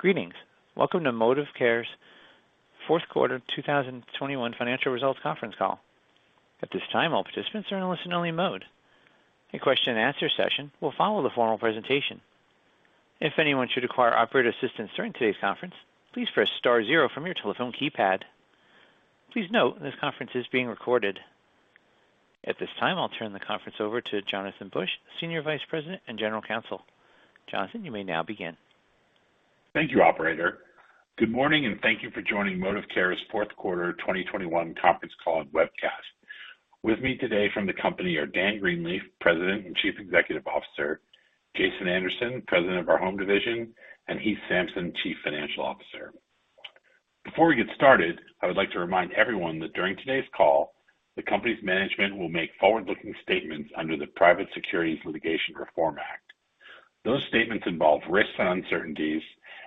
Greetings. Welcome to ModivCare's fourth quarter 2021 financial results conference call. At this time, all participants are in a listen-only mode. A question and answer session will follow the formal presentation. If anyone should require operator assistance during today's conference, please press star zero from your telephone keypad. Please note this conference is being recorded. At this time, I'll turn the conference over to Jonathan Bush, Senior Vice President and General Counsel. Jonathan, you may now begin. Thank you, operator. Good morning, and thank you for joining ModivCare's fourth quarter 2021 conference call and webcast. With me today from the company are Dan Greenleaf, President and Chief Executive Officer, Jason Anderson, President of our home division, and Heath Sampson, Chief Financial Officer. Before we get started, I would like to remind everyone that during today's call, the company's management will make forward-looking statements under the Private Securities Litigation Reform Act. Those statements involve risks and uncertainties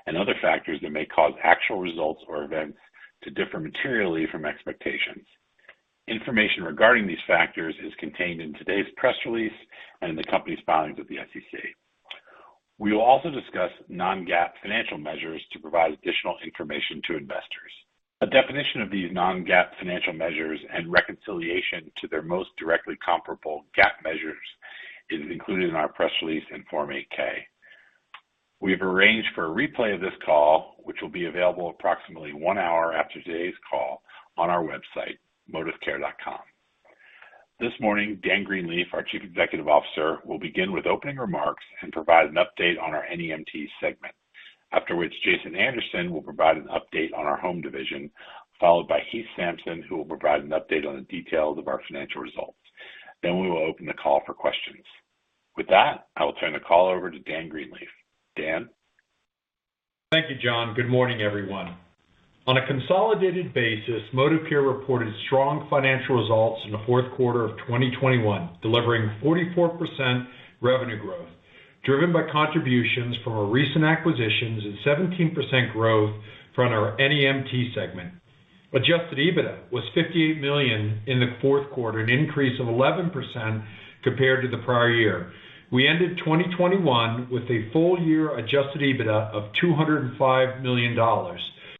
and other factors that may cause actual results or events to differ materially from expectations. Information regarding these factors is contained in today's press release and in the company's filings with the SEC. We will also discuss non-GAAP financial measures to provide additional information to investors. A definition of these non-GAAP financial measures and reconciliation to their most directly comparable GAAP measures is included in our press release and Form 8-K. We have arranged for a replay of this call, which will be available approximately one hour after today's call on our website, modivcare.com. This morning, Dan Greenleaf, our Chief Executive Officer, will begin with opening remarks and provide an update on our NEMT segment. Afterwards, Jason Anderson will provide an update on our home division, followed by Heath Sampson, who will provide an update on the details of our financial results. Then we will open the call for questions. With that, I will turn the call over to Dan Greenleaf. Dan? Thank you, John. Good morning, everyone. On a consolidated basis, ModivCare reported strong financial results in the fourth quarter of 2021, delivering 44% revenue growth, driven by contributions from our recent acquisitions and 17% growth from our NEMT segment. Adjusted EBITDA was $58 million in the fourth quarter, an increase of 11% compared to the prior year. We ended 2021 with a full year adjusted EBITDA of $205 million,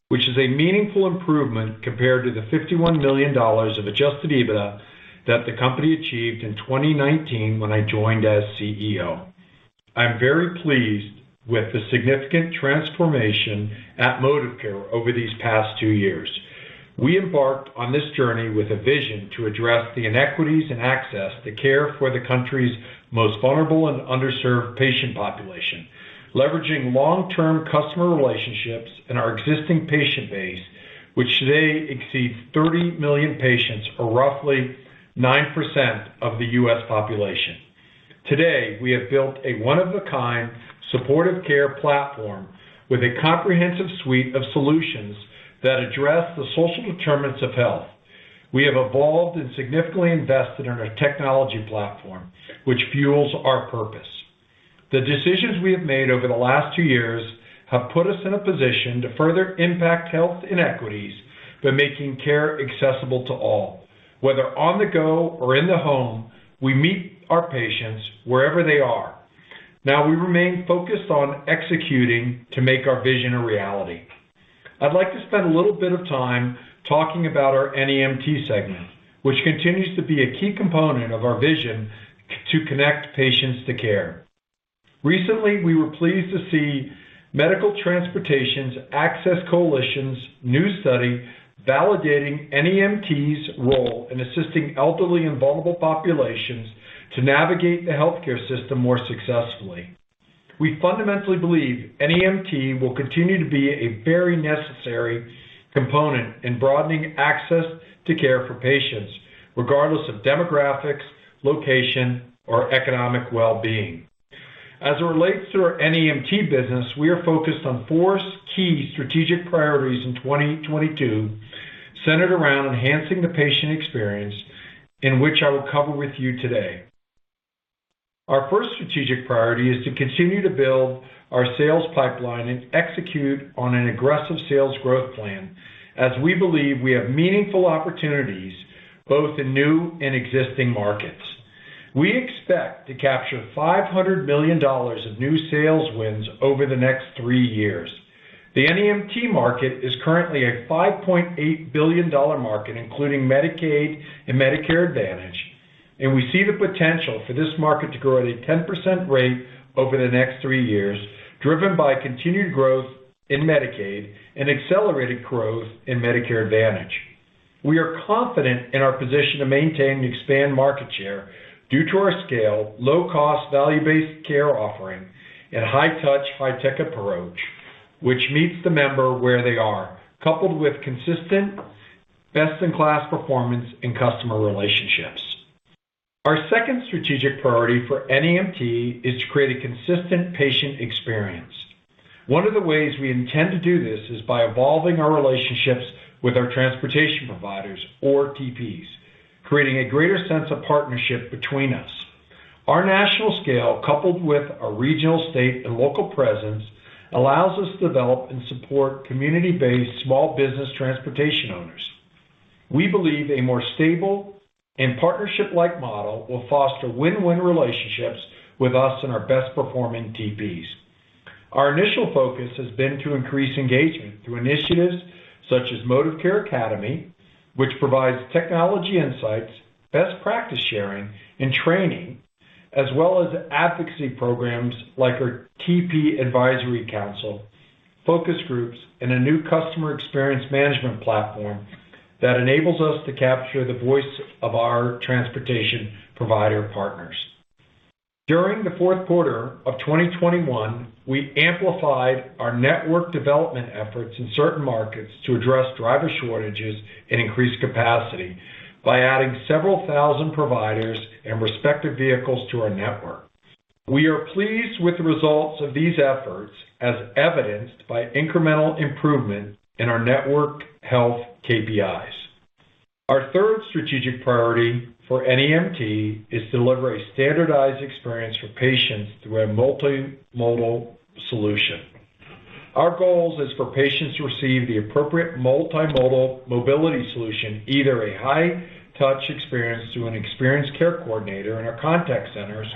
which is a meaningful improvement compared to the $51 million of adjusted EBITDA that the company achieved in 2019 when I joined as CEO. I'm very pleased with the significant transformation at ModivCare over these past two years. We embarked on this journey with a vision to address the inequities in access to care for the country's most vulnerable and underserved patient population, leveraging long-term customer relationships in our existing patient base, which today exceeds 30 million patients, or roughly 9% of the U.S. population. Today, we have built a one-of-a-kind supportive care platform with a comprehensive suite of solutions that address the social determinants of health. We have evolved and significantly invested in our technology platform, which fuels our purpose. The decisions we have made over the last two years have put us in a position to further impact health inequities by making care accessible to all. Whether on the go or in the home, we meet our patients wherever they are. Now, we remain focused on executing to make our vision a reality. I'd like to spend a little bit of time talking about our NEMT segment, which continues to be a key component of our vision to connect patients to care. Recently, we were pleased to see Medical Transportation Access Coalition's new study validating NEMT's role in assisting elderly and vulnerable populations to navigate the healthcare system more successfully. We fundamentally believe NEMT will continue to be a very necessary component in broadening access to care for patients, regardless of demographics, location, or economic well-being. As it relates to our NEMT business, we are focused on four key strategic priorities in 2022 centered around enhancing the patient experience, which I will cover with you today. Our first strategic priority is to continue to build our sales pipeline and execute on an aggressive sales growth plan as we believe we have meaningful opportunities both in new and existing markets. We expect to capture $500 million of new sales wins over the next three years. The NEMT market is currently a $5.8 billion market, including Medicaid and Medicare Advantage, and we see the potential for this market to grow at a 10% rate over the next three years, driven by continued growth in Medicaid and accelerated growth in Medicare Advantage. We are confident in our position to maintain and expand market share due to our scale, low-cost value-based care offering and high-touch, high-tech approach, which meets the member where they are, coupled with consistent best-in-class performance and customer relationships. Our second strategic priority for NEMT is to create a consistent patient experience. One of the ways we intend to do this is by evolving our relationships with our transportation providers or TPs, creating a greater sense of partnership between us. Our national scale, coupled with a regional state and local presence, allows us to develop and support community-based small business transportation owners. We believe a more stable and partnership-like model will foster win-win relationships with us and our best performing TPs. Our initial focus has been to increase engagement through initiatives such as ModivCare Academy, which provides technology insights, best practice sharing, and training, as well as advocacy programs like our TP advisory council, focus groups, and a new customer experience management platform that enables us to capture the voice of our transportation provider partners. During the fourth quarter of 2021, we amplified our network development efforts in certain markets to address driver shortages and increase capacity by adding several thousand providers and respective vehicles to our network. We are pleased with the results of these efforts as evidenced by incremental improvement in our network health KPIs. Our third strategic priority for NEMT is to deliver a standardized experience for patients through a multimodal solution. Our goal is for patients to receive the appropriate multimodal mobility solution, either a high touch experience through an experienced care coordinator in our contact centers,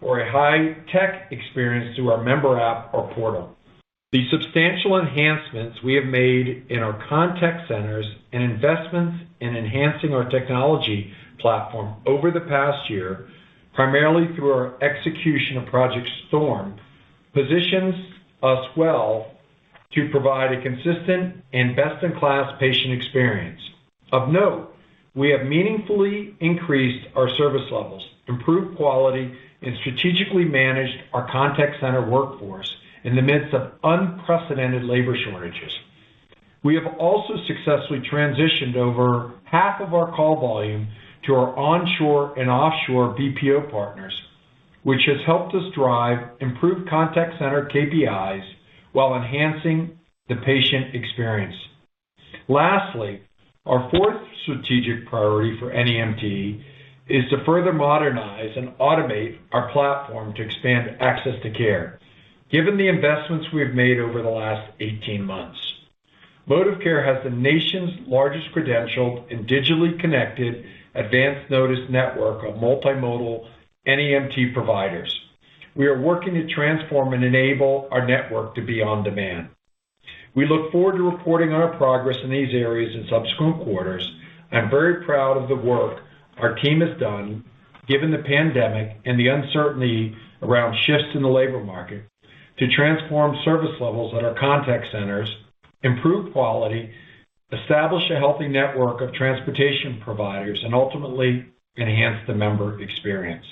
or a high tech experience through our member app or portal. The substantial enhancements we have made in our contact centers and investments in enhancing our technology platform over the past year, primarily through our execution of Project Storm, positions us well to provide a consistent and best in class patient experience. Of note, we have meaningfully increased our service levels, improved quality, and strategically managed our contact center workforce in the midst of unprecedented labor shortages. We have also successfully transitioned over half of our call volume to our onshore and offshore BPO partners, which has helped us drive improved contact center KPIs while enhancing the patient experience. Lastly, our fourth strategic priority for NEMT is to further modernize and automate our platform to expand access to care given the investments we have made over the last 18 months. ModivCare has the nation's largest credentialed and digitally connected advanced notice network of multimodal NEMT providers. We are working to transform and enable our network to be on demand. We look forward to reporting our progress in these areas in subsequent quarters. I'm very proud of the work our team has done given the pandemic and the uncertainty around shifts in the labor market to transform service levels at our contact centers, improve quality, establish a healthy network of transportation providers, and ultimately enhance the member experience.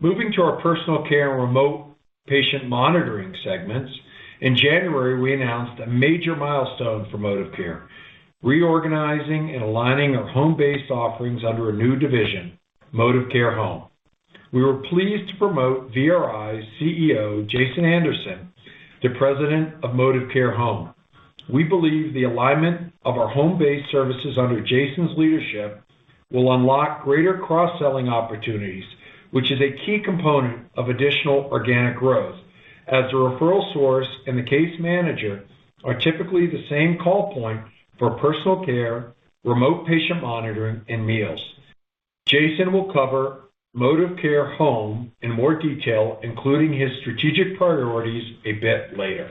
Moving to our personal care and remote patient monitoring segments. In January, we announced a major milestone for ModivCare, reorganizing and aligning our home-based offerings under a new division, ModivCare Home. We were pleased to promote VRI's CEO, Jason Anderson, to President of ModivCare Home. We believe the alignment of our home-based services under Jason's leadership will unlock greater cross-selling opportunities, which is a key component of additional organic growth, as the referral source and the case manager are typically the same call point for personal care, remote patient monitoring, and meals. Jason will cover ModivCare Home in more detail, including his strategic priorities a bit later.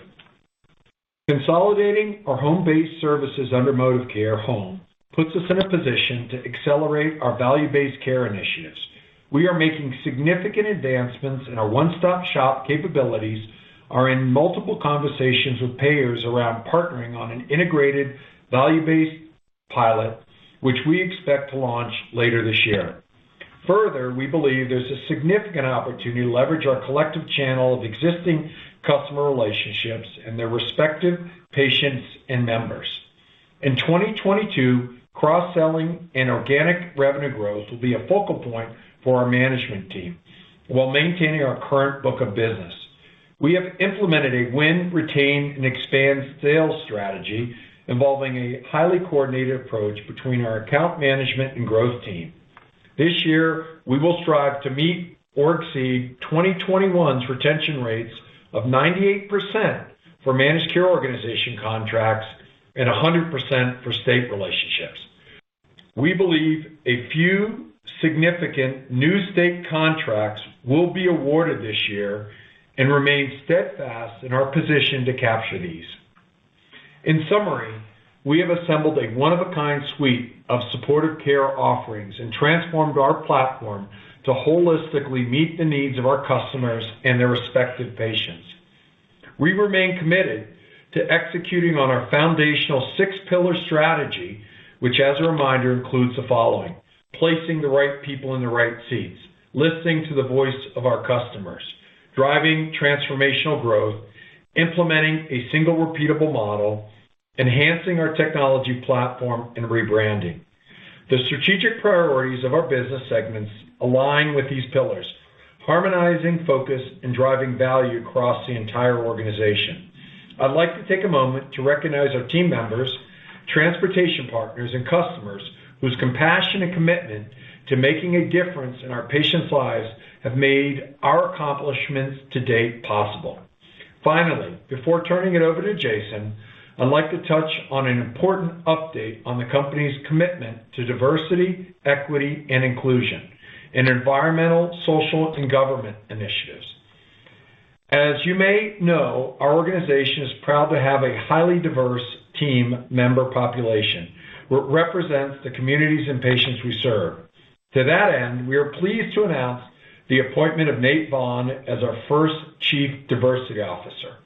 Consolidating our home-based services under ModivCare Home puts us in a position to accelerate our value-based care initiatives. We are making significant advancements in our one-stop-shop capabilities, are in multiple conversations with payers around partnering on an integrated value-based pilot, which we expect to launch later this year. Further, we believe there's a significant opportunity to leverage our collective channel of existing customer relationships and their respective patients and members. In 2022, cross-selling and organic revenue growth will be a focal point for our management team while maintaining our current book of business. We have implemented a win, retain, and expand sales strategy involving a highly coordinated approach between our account management and growth team. This year, we will strive to meet or exceed 2021's retention rates of 98% for managed care organization contracts and 100% for state relationships. We believe a few significant new state contracts will be awarded this year and remain steadfast in our position to capture these. In summary, we have assembled a one-of-a-kind suite of supportive care offerings and transformed our platform to holistically meet the needs of our customers and their respective patients. We remain committed to executing on our foundational six pillar strategy, which as a reminder, includes the following, placing the right people in the right seats, listening to the voice of our customers, driving transformational growth, implementing a single repeatable model, enhancing our technology platform, and rebranding. The strategic priorities of our business segments align with these pillars, harmonizing focus and driving value across the entire organization. I'd like to take a moment to recognize our team members, transportation partners, and customers whose compassion and commitment to making a difference in our patients' lives have made our accomplishments to date possible. Finally, before turning it over to Jason, I'd like to touch on an important update on the company's commitment to diversity, equity, and inclusion in environmental, social, and governance initiatives. As you may know, our organization is proud to have a highly diverse team member population that represents the communities and patients we serve. To that end, we are pleased to announce the appointment of Nate Vaughn as our first Chief Diversity Officer,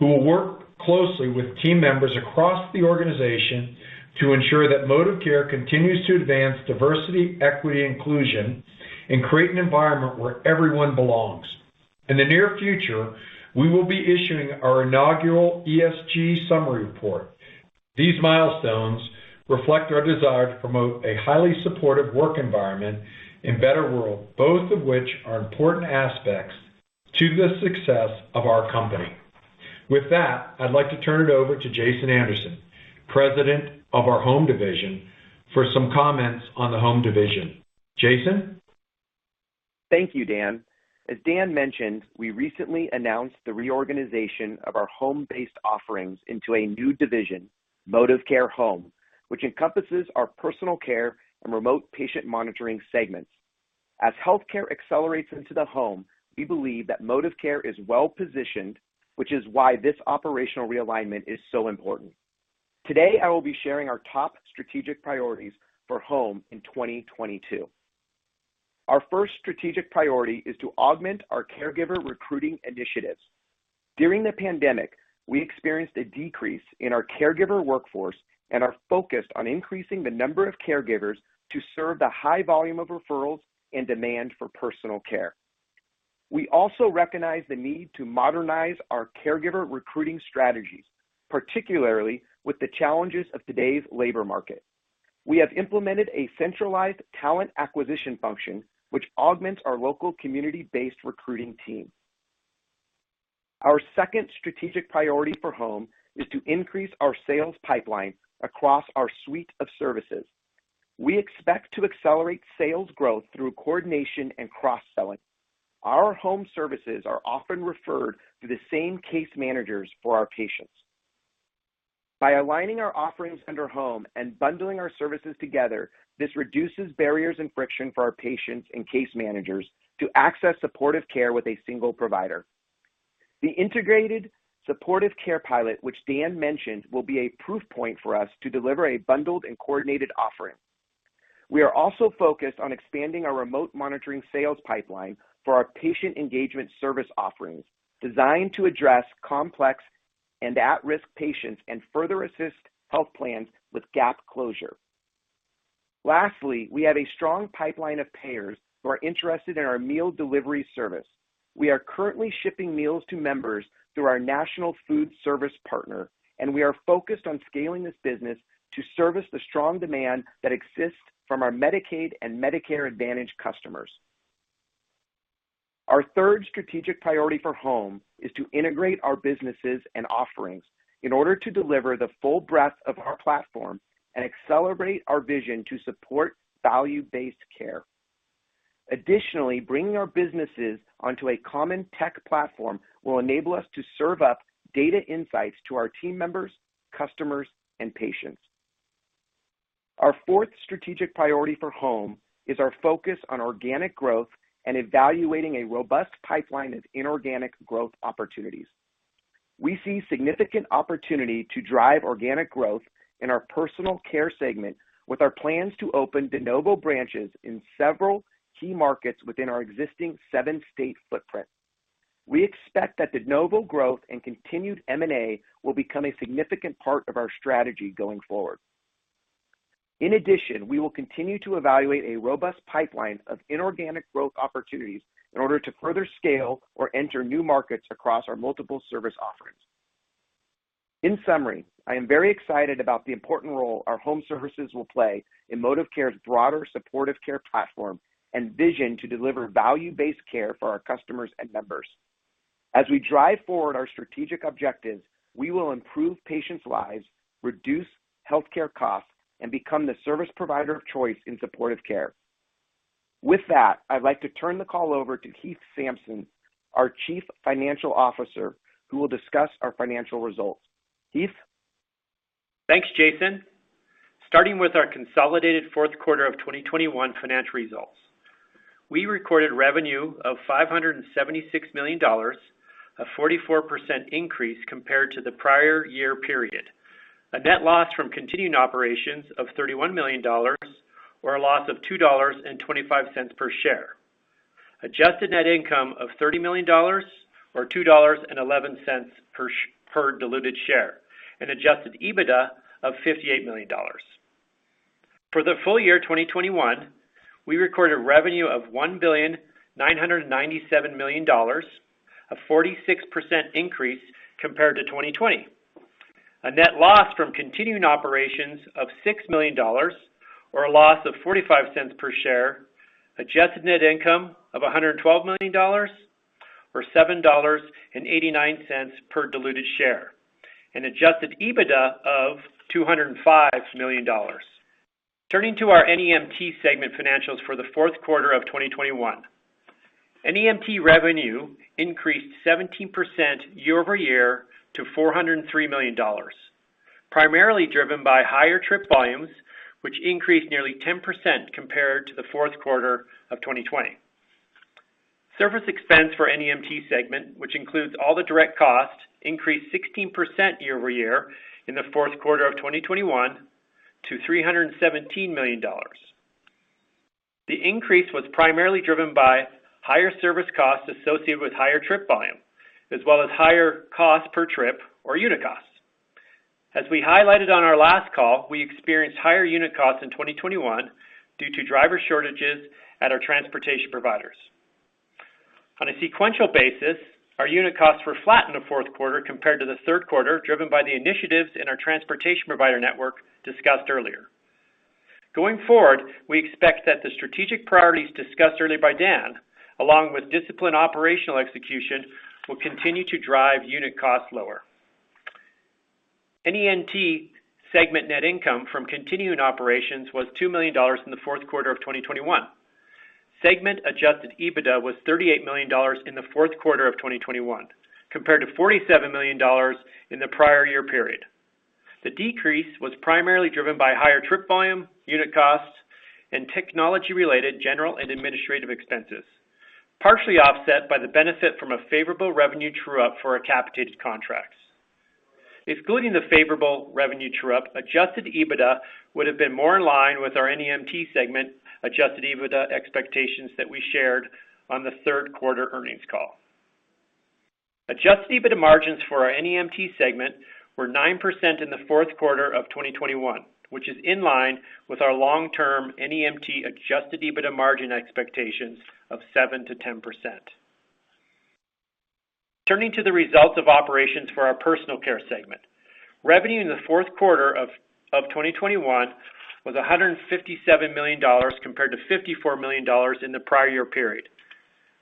who will work closely with team members across the organization to ensure that ModivCare continues to advance diversity, equity, inclusion, and create an environment where everyone belongs. In the near future, we will be issuing our inaugural ESG summary report. These milestones reflect our desire to promote a highly supportive work environment and better world, both of which are important aspects to the success of our company. With that, I'd like to turn it over to Jason Anderson, President of our home division, for some comments on the home division. Jason? Thank you, Dan. As Dan mentioned, we recently announced the reorganization of our home-based offerings into a new division, ModivCare Home, which encompasses our personal care and remote patient monitoring segments. As healthcare accelerates into the home, we believe that ModivCare is well-positioned, which is why this operational realignment is so important. Today, I will be sharing our top strategic priorities for home in 2022. Our first strategic priority is to augment our caregiver recruiting initiatives. During the pandemic, we experienced a decrease in our caregiver workforce and are focused on increasing the number of caregivers to serve the high volume of referrals and demand for personal care. We also recognize the need to modernize our caregiver recruiting strategies, particularly with the challenges of today's labor market. We have implemented a centralized talent acquisition function which augments our local community-based recruiting team. Our second strategic priority for home is to increase our sales pipeline across our suite of services. We expect to accelerate sales growth through coordination and cross-selling. Our home services are often referred through the same case managers for our patients. By aligning our offerings under home and bundling our services together, this reduces barriers and friction for our patients and case managers to access supportive care with a single provider. The integrated supportive care pilot, which Dan mentioned, will be a proof point for us to deliver a bundled and coordinated offering. We are also focused on expanding our remote monitoring sales pipeline for our patient engagement service offerings designed to address complex and at-risk patients and further assist health plans with gap closure. Lastly, we have a strong pipeline of payers who are interested in our meal delivery service. We are currently shipping meals to members through our national food service partner, and we are focused on scaling this business to service the strong demand that exists from our Medicaid and Medicare Advantage customers. Our third strategic priority for home is to integrate our businesses and offerings in order to deliver the full breadth of our platform and accelerate our vision to support value-based care. Additionally, bringing our businesses onto a common tech platform will enable us to serve up data insights to our team members, customers, and patients. Our fourth strategic priority for home is our focus on organic growth and evaluating a robust pipeline of inorganic growth opportunities. We see significant opportunity to drive organic growth in our personal care segment with our plans to open de novo branches in several key markets within our existing seven-state footprint. We expect that de novo growth and continued M&A will become a significant part of our strategy going forward. In addition, we will continue to evaluate a robust pipeline of inorganic growth opportunities in order to further scale or enter new markets across our multiple service offerings. In summary, I am very excited about the important role our home services will play in ModivCare's broader supportive care platform and vision to deliver value-based care for our customers and members. As we drive forward our strategic objectives, we will improve patients' lives, reduce healthcare costs, and become the service provider of choice in supportive care. With that, I'd like to turn the call over to Heath Samson, our Chief Financial Officer, who will discuss our financial results. Heath? Thanks, Jason. Starting with our consolidated fourth quarter of 2021 financial results. We recorded revenue of $576 million, a 44% increase compared to the prior year period. A net loss from continuing operations of $31 million, or a loss of $2.25 per share. Adjusted net income of $30 million, or $2.11 per diluted share, and adjusted EBITDA of $58 million. For the full year 2021, we recorded revenue of $1.997 billion, a 46% increase compared to 2020. A net loss from continuing operations of $6 million, or a loss of $0.45 per share. Adjusted net income of $112 million or $7.89 per diluted share. An adjusted EBITDA of $205 million. Turning to our NEMT segment financials for the fourth quarter of 2021. NEMT revenue increased 17% year over year to $403 million, primarily driven by higher trip volumes, which increased nearly 10% compared to the fourth quarter of 2020. Service expense for NEMT segment, which includes all the direct costs, increased 16% year over year in the fourth quarter of 2021 to $317 million. The increase was primarily driven by higher service costs associated with higher trip volume, as well as higher cost per trip or unit costs. As we highlighted on our last call, we experienced higher unit costs in 2021 due to driver shortages at our transportation providers. On a sequential basis, our unit costs were flat in the fourth quarter compared to the third quarter, driven by the initiatives in our transportation provider network discussed earlier. Going forward, we expect that the strategic priorities discussed earlier by Dan, along with disciplined operational execution, will continue to drive unit costs lower. NEMT segment net income from continuing operations was $2 million in the fourth quarter of 2021. Segment adjusted EBITDA was $38 million in the fourth quarter of 2021, compared to $47 million in the prior year period. The decrease was primarily driven by higher trip volume, unit costs, and technology-related general and administrative expenses, partially offset by the benefit from a favorable revenue true-up for our capitated contracts. Excluding the favorable revenue true-up, adjusted EBITDA would have been more in line with our NEMT segment adjusted EBITDA expectations that we shared on the third quarter earnings call. Adjusted EBITDA margins for our NEMT segment were 9% in the fourth quarter of 2021, which is in line with our long-term NEMT adjusted EBITDA margin expectations of 7%-10%. Turning to the results of operations for our personal care segment. Revenue in the fourth quarter of 2021 was $157 million compared to $54 million in the prior year period.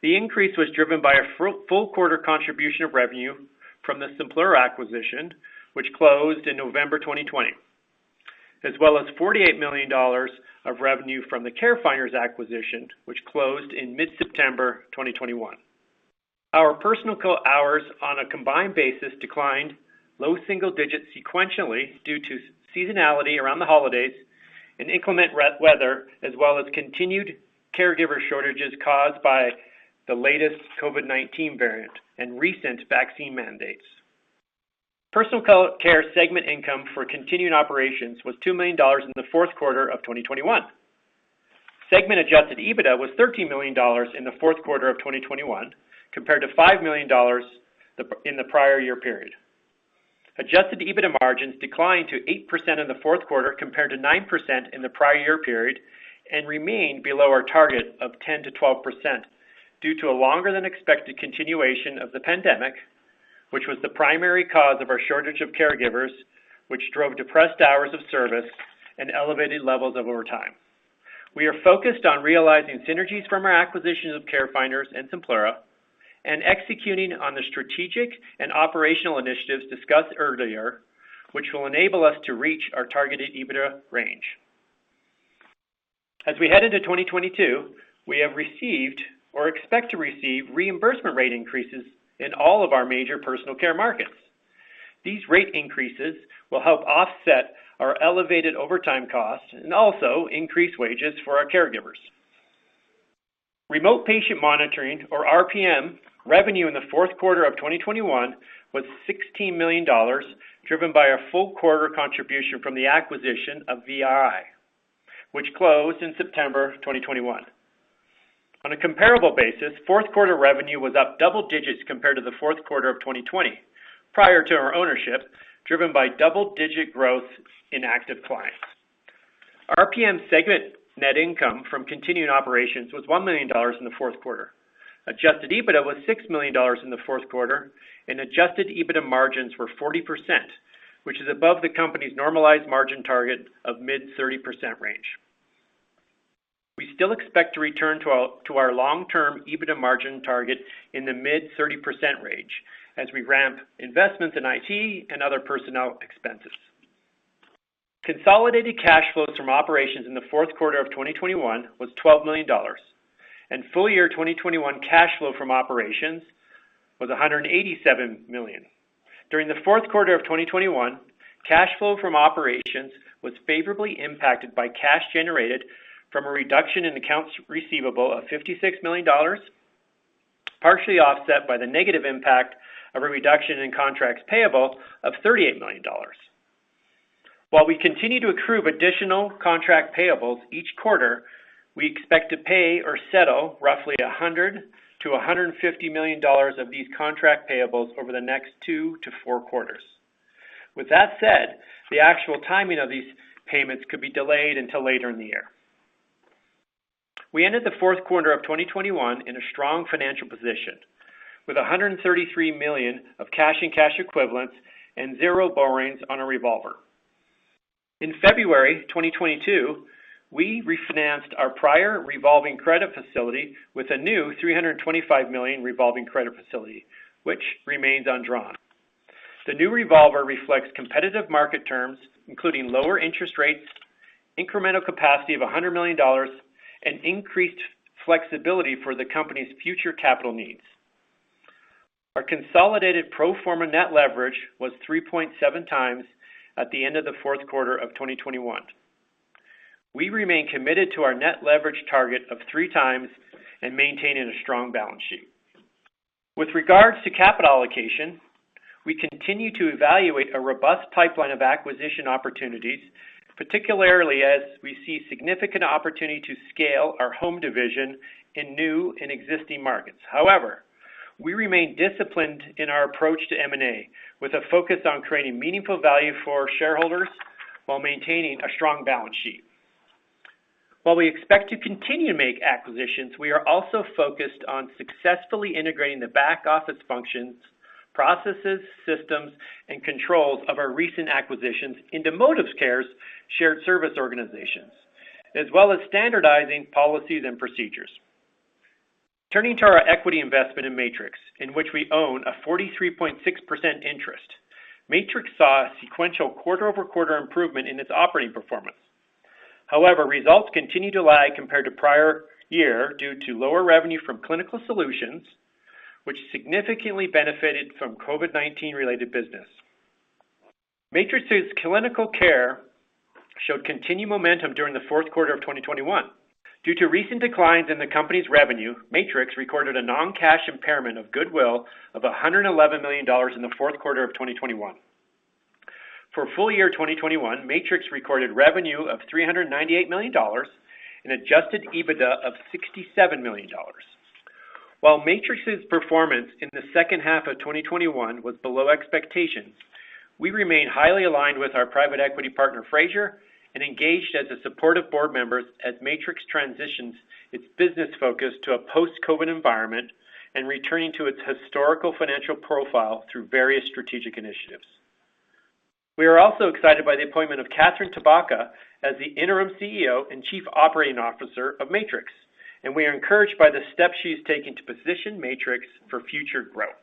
The increase was driven by a full quarter contribution of revenue from the Simplura acquisition, which closed in November 2020, as well as $48 million of revenue from the CareFinders acquisition, which closed in mid-September 2021. Our personal care hours on a combined basis declined low single digits sequentially due to seasonality around the holidays and inclement weather, as well as continued caregiver shortages caused by the latest COVID-19 variant and recent vaccine mandates. Personal Care segment income for continuing operations was $2 million in the fourth quarter of 2021. Segment adjusted EBITDA was $13 million in the fourth quarter of 2021, compared to $5 million in the prior year period. Adjusted EBITDA margins declined to 8% in the fourth quarter compared to 9% in the prior year period and remained below our target of 10%-12% due to a longer than expected continuation of the pandemic, which was the primary cause of our shortage of caregivers, which drove depressed hours of service and elevated levels of overtime. We are focused on realizing synergies from our acquisitions of CareFinders and Simplura and executing on the strategic and operational initiatives discussed earlier, which will enable us to reach our targeted EBITDA range. As we head into 2022, we have received or expect to receive reimbursement rate increases in all of our major personal care markets. These rate increases will help offset our elevated overtime costs and also increase wages for our caregivers. Remote patient monitoring or RPM revenue in the fourth quarter of 2021 was $16 million, driven by a full quarter contribution from the acquisition of VRI, which closed in September 2021. On a comparable basis, fourth quarter revenue was up double digits compared to the fourth quarter of 2020, prior to our ownership, driven by double-digit growth in active clients. RPM segment net income from continuing operations was $1 million in the fourth quarter. Adjusted EBITDA was $6 million in the fourth quarter, and adjusted EBITDA margins were 40%, which is above the company's normalized margin target of mid-30% range. We still expect to return to our long-term EBITDA margin target in the mid-30% range as we ramp investments in IT and other personnel expenses. Consolidated cash flows from operations in the fourth quarter of 2021 was $12 million, and full year 2021 cash flow from operations was $187 million. During the fourth quarter of 2021, cash flow from operations was favorably impacted by cash generated from a reduction in accounts receivable of $56 million, partially offset by the negative impact of a reduction in contracts payable of $38 million. While we continue to accrue additional contract payables each quarter, we expect to pay or settle roughly $100 million-$150 million of these contract payables over the next two-four quarters. With that said, the actual timing of these payments could be delayed until later in the year. We ended the fourth quarter of 2021 in a strong financial position with $133 million of cash and cash equivalents and zero borrowings on a revolver. In February 2022, we refinanced our prior revolving credit facility with a new $325 million revolving credit facility, which remains undrawn. The new revolver reflects competitive market terms, including lower interest rates, incremental capacity of $100 million, and increased flexibility for the company's future capital needs. Our consolidated pro forma net leverage was 3.7 times at the end of the fourth quarter of 2021. We remain committed to our net leverage target of 3 times and maintaining a strong balance sheet. With regards to capital allocation, we continue to evaluate a robust pipeline of acquisition opportunities, particularly as we see significant opportunity to scale our home division in new and existing markets. However, we remain disciplined in our approach to M&A with a focus on creating meaningful value for shareholders while maintaining a strong balance sheet. While we expect to continue to make acquisitions, we are also focused on successfully integrating the back-office functions, processes, systems, and controls of our recent acquisitions into ModivCare's shared service organizations, as well as standardizing policies and procedures. Turning to our equity investment in Matrix, in which we own a 43.6% interest. Matrix saw a sequential quarter-over-quarter improvement in its operating performance. However, results continued to lag compared to prior year due to lower revenue from clinical solutions, which significantly benefited from COVID-19 related business. Matrix's clinical care showed continued momentum during the fourth quarter of 2021. Due to recent declines in the company's revenue, Matrix recorded a non-cash impairment of goodwill of $111 million in the fourth quarter of 2021. For full year 2021, Matrix recorded revenue of $398 million and adjusted EBITDA of $67 million. While Matrix's performance in the second half of 2021 was below expectations, we remain highly aligned with our private equity partner, Frazier, and engaged as a supportive board member as Matrix transitions its business focus to a post-COVID environment and returning to its historical financial profile through various strategic initiatives. We are also excited by the appointment of Catherine Tabaka as the Interim CEO and Chief Operating Officer of Matrix, and we are encouraged by the steps she's taking to position Matrix for future growth.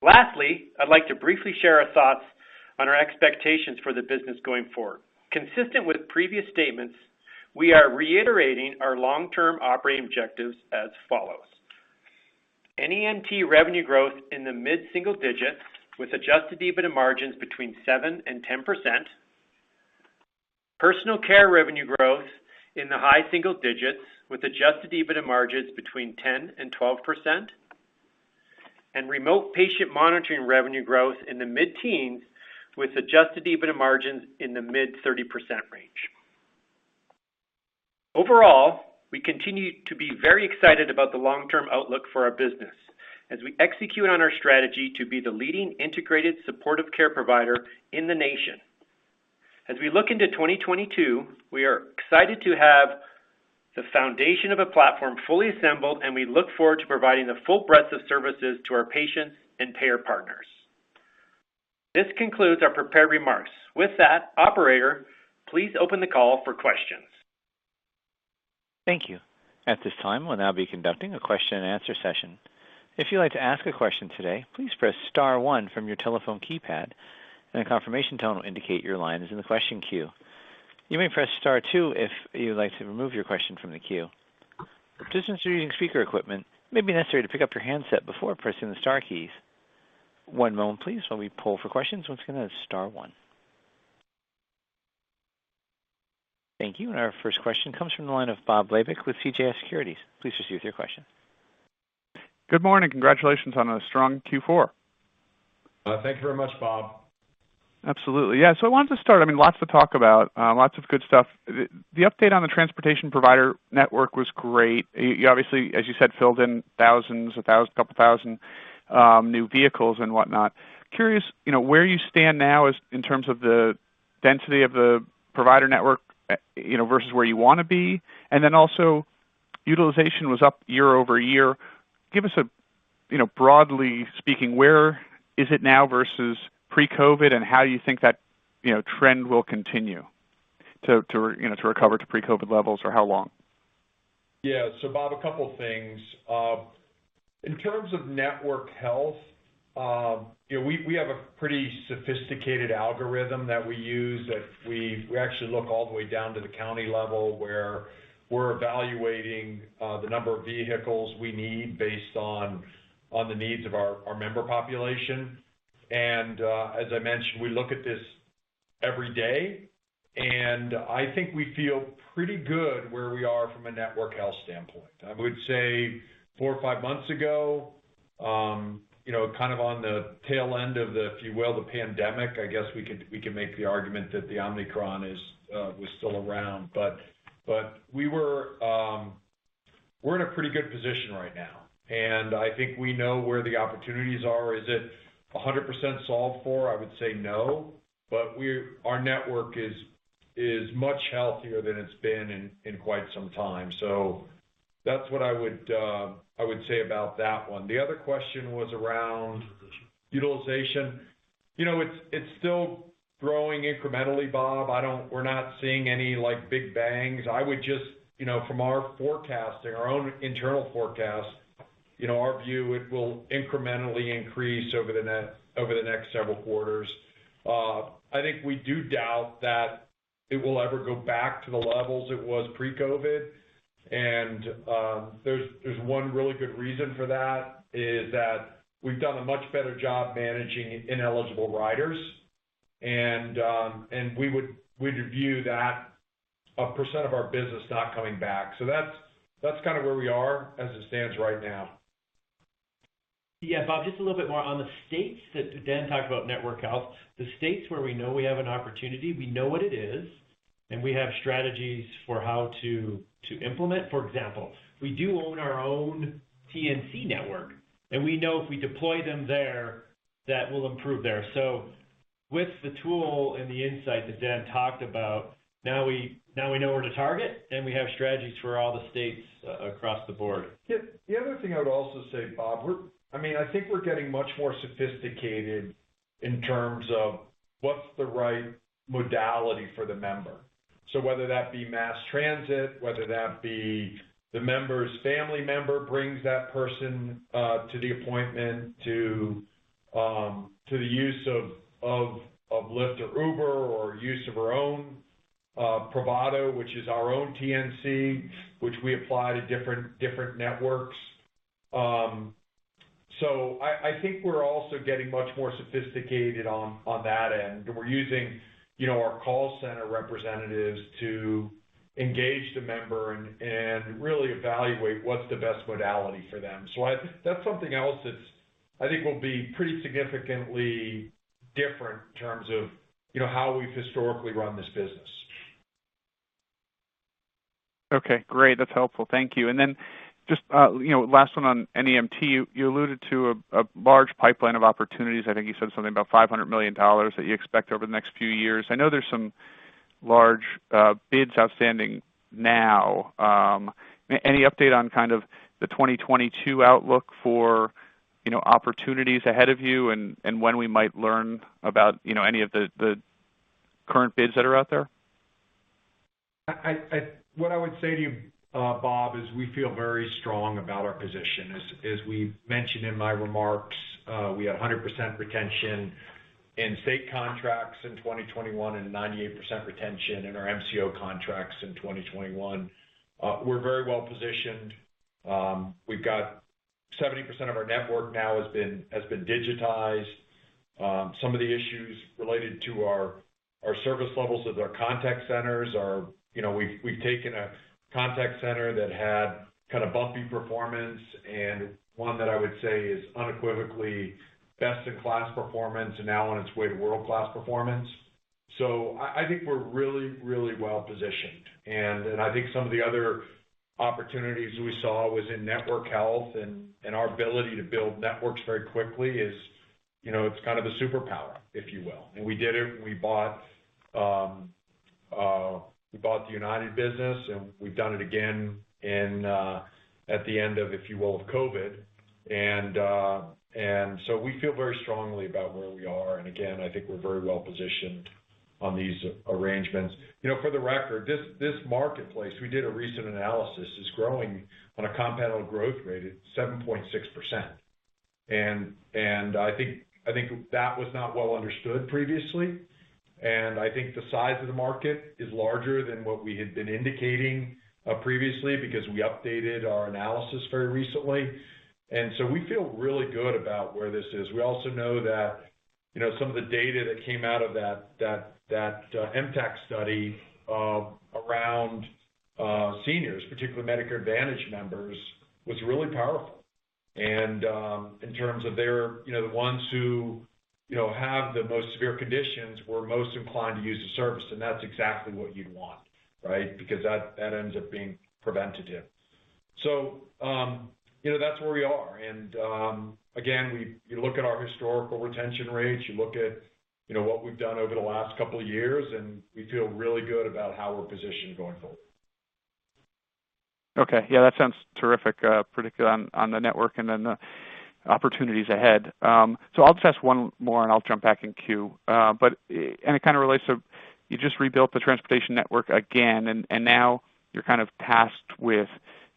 Lastly, I'd like to briefly share our thoughts on our expectations for the business going forward. Consistent with previous statements, we are reiterating our long-term operating objectives as follows: NEMT revenue growth in the mid-single digits with adjusted EBITDA margins between 7% and 10%. Personal care revenue growth in the high single digits with adjusted EBITDA margins between 10% and 12%. Remote patient monitoring revenue growth in the mid-teens with adjusted EBITDA margins in the mid-30% range. Overall, we continue to be very excited about the long-term outlook for our business as we execute on our strategy to be the leading integrated supportive care provider in the nation. As we look into 2022, we are excited to have the foundation of a platform fully assembled, and we look forward to providing the full breadth of services to our patients and payer partners. This concludes our prepared remarks. With that, operator, please open the call for questions. Thank you. At this time, we'll now be conducting a question-and-answer session. If you'd like to ask a question today, please press star one from your telephone keypad and a confirmation tone will indicate your line is in the question queue. You may press star two if you would like to remove your question from the queue. Participants using speaker equipment, it may be necessary to pick up your handset before pressing the star keys. One moment please, while we poll for questions. Once again, that's star one. Thank you. Our first question comes from the line of Bob Labick with CJS Securities. Please proceed with your question. Good morning. Congratulations on a strong Q4. Thank you very much, Bob. Absolutely. Yeah, so I wanted to start. I mean, lots to talk about, lots of good stuff. The update on the transportation provider network was great. You obviously, as you said, filled in a couple thousand new vehicles and whatnot. Curious, you know, where you stand now as in terms of the density of the provider network, you know, versus where you wanna be. Then also utilization was up year over year. Give us, you know, broadly speaking, where is it now versus pre-COVID, and how you think that, you know, trend will continue to, you know, to recover to pre-COVID levels, or how long? Yeah. Bob, a couple things. In terms of network health, you know, we have a pretty sophisticated algorithm that we use that we actually look all the way down to the county level where we're evaluating the number of vehicles we need based on the needs of our member population. As I mentioned, we look at this every day. I think we feel pretty good where we are from a network health standpoint. I would say four or five months ago, you know, kind of on the tail end of the, if you will, the pandemic, I guess we could make the argument that the Omicron was still around. We're in a pretty good position right now, and I think we know where the opportunities are. Is it 100% solved for? I would say no. Our network is much healthier than it's been in quite some time. That's what I would say about that one. The other question was around- Utilization Utilization. You know, it's still growing incrementally, Bob. We're not seeing any like big bangs. I would just you know, from our forecasting, our own internal forecast, you know, our view, it will incrementally increase over the next several quarters. I think we do doubt that it will ever go back to the levels it was pre-COVID. There's one really good reason for that, is that we've done a much better job managing ineligible riders. We'd view that a percent of our business not coming back. That's kind of where we are as it stands right now. Yeah. Bob, just a little bit more. On the states that Dan talked about network health, the states where we know we have an opportunity, we know what it is, and we have strategies for how to implement. For example, we do own our own TNC network, and we know if we deploy them there, that will improve there. With the tool and the insight that Dan talked about, now we know where to target, and we have strategies for all the states across the board. Yeah. The other thing I would also say, Bob, we're I mean, I think we're getting much more sophisticated in terms of what's the right modality for the member. Whether that be mass transit, whether that be the member's family member brings that person to the appointment to the use of Lyft or Uber or use of our own Privado, which is our own TNC, which we apply to different networks. I think we're also getting much more sophisticated on that end. We're using you know, our call center representatives to engage the member and really evaluate what's the best modality for them. I think that's something else that's I think will be pretty significantly different in terms of you know, how we've historically run this business. Okay. Great. That's helpful. Thank you. And then just, you know, last one on NEMT. You alluded to a large pipeline of opportunities. I think you said something about $500 million that you expect over the next few years. I know there's some large bids outstanding now. Any update on kind of the 2022 outlook for, you know, opportunities ahead of you and when we might learn about, you know, any of the current bids that are out there? What I would say to you, Bob, is we feel very strong about our position. As we've mentioned in my remarks, we have 100% retention in state contracts in 2021 and 98% retention in our MCO contracts in 2021. We're very well positioned. We've got 70% of our network now has been digitized. Some of the issues related to our service levels at our contact centers are, you know, we've taken a contact center that had kind of bumpy performance and one that I would say is unequivocally best in class performance and now on its way to world-class performance. I think we're really well positioned. I think some of the other opportunities we saw was in network health and our ability to build networks very quickly is, you know, it's kind of a superpower, if you will. We did it when we bought the United business, and we've done it again at the end of, if you will, of COVID. So we feel very strongly about where we are. Again, I think we're very well positioned on these arrangements. You know, for the record, this marketplace, we did a recent analysis, is growing on a compounded growth rate at 7.6%. I think that was not well understood previously. I think the size of the market is larger than what we had been indicating previously because we updated our analysis very recently. We feel really good about where this is. We also know that, you know, some of the data that came out of that MTAC study around seniors, particularly Medicare Advantage members, was really powerful. In terms of their, the ones who have the most severe conditions were most inclined to use the service, and that's exactly what you'd want, right? Because that ends up being preventative. That's where we are. You look at our historical retention rates, you look at what we've done over the last couple of years, and we feel really good about how we're positioned going forward. Okay. Yeah, that sounds terrific, particularly on the network and then the opportunities ahead. I'll just ask one more and I'll jump back in queue. It kind of relates to you just rebuilt the transportation network again, and now you're kind of tasked with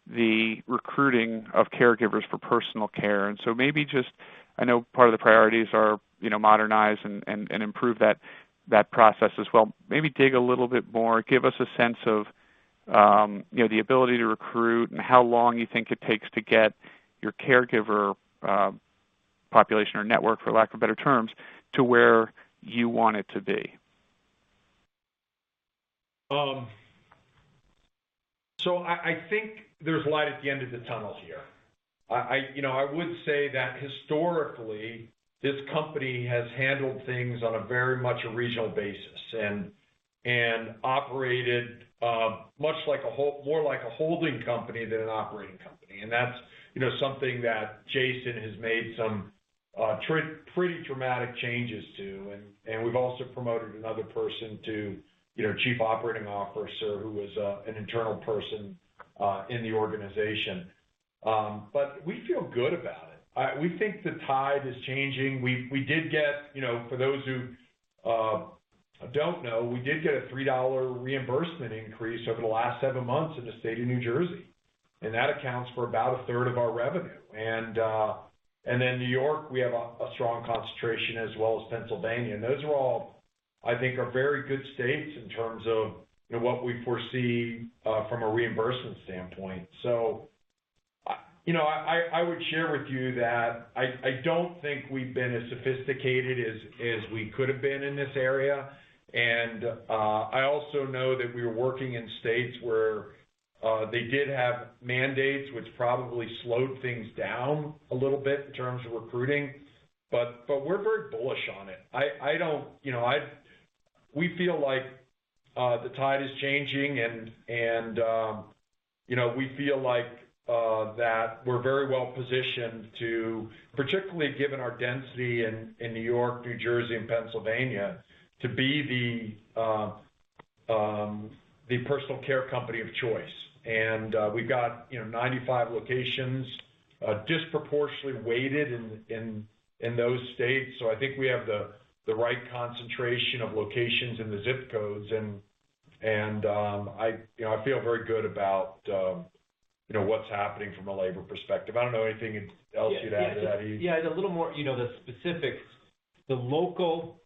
the recruiting of caregivers for personal care. Maybe just, I know part of the priorities are, you know, modernize and improve that process as well. Maybe dig a little bit more, give us a sense of, you know, the ability to recruit and how long you think it takes to get your caregiver population or network, for lack of better terms, to where you want it to be. I think there's light at the end of the tunnel here. I would say that historically, this company has handled things on a very much a regional basis and operated much more like a holding company than an operating company. That's something that Jason has made some pretty dramatic changes to. We've also promoted another person to Chief Operating Officer who was an internal person in the organization. We feel good about it. We think the tide is changing. We did get, for those who don't know, a $3 reimbursement increase over the last seven months in the state of New Jersey, and that accounts for about a third of our revenue. New York, we have a strong concentration as well as Pennsylvania. Those are all, I think are very good states in terms of, you know, what we foresee from a reimbursement standpoint. I, you know, I would share with you that I don't think we've been as sophisticated as we could have been in this area. I also know that we were working in states where they did have mandates which probably slowed things down a little bit in terms of recruiting, but we're very bullish on it. We feel like the tide is changing and, you know, we feel like that we're very well positioned to, particularly given our density in New York, New Jersey, and Pennsylvania, to be the personal care company of choice. We've got, you know, 95 locations, disproportionately weighted in those states. I think we have the right concentration of locations in the ZIP codes. You know, I feel very good about, you know, what's happening from a labor perspective. I don't know anything else you'd add to that, Eddie? Yeah. A little more, you know, the specifics. The local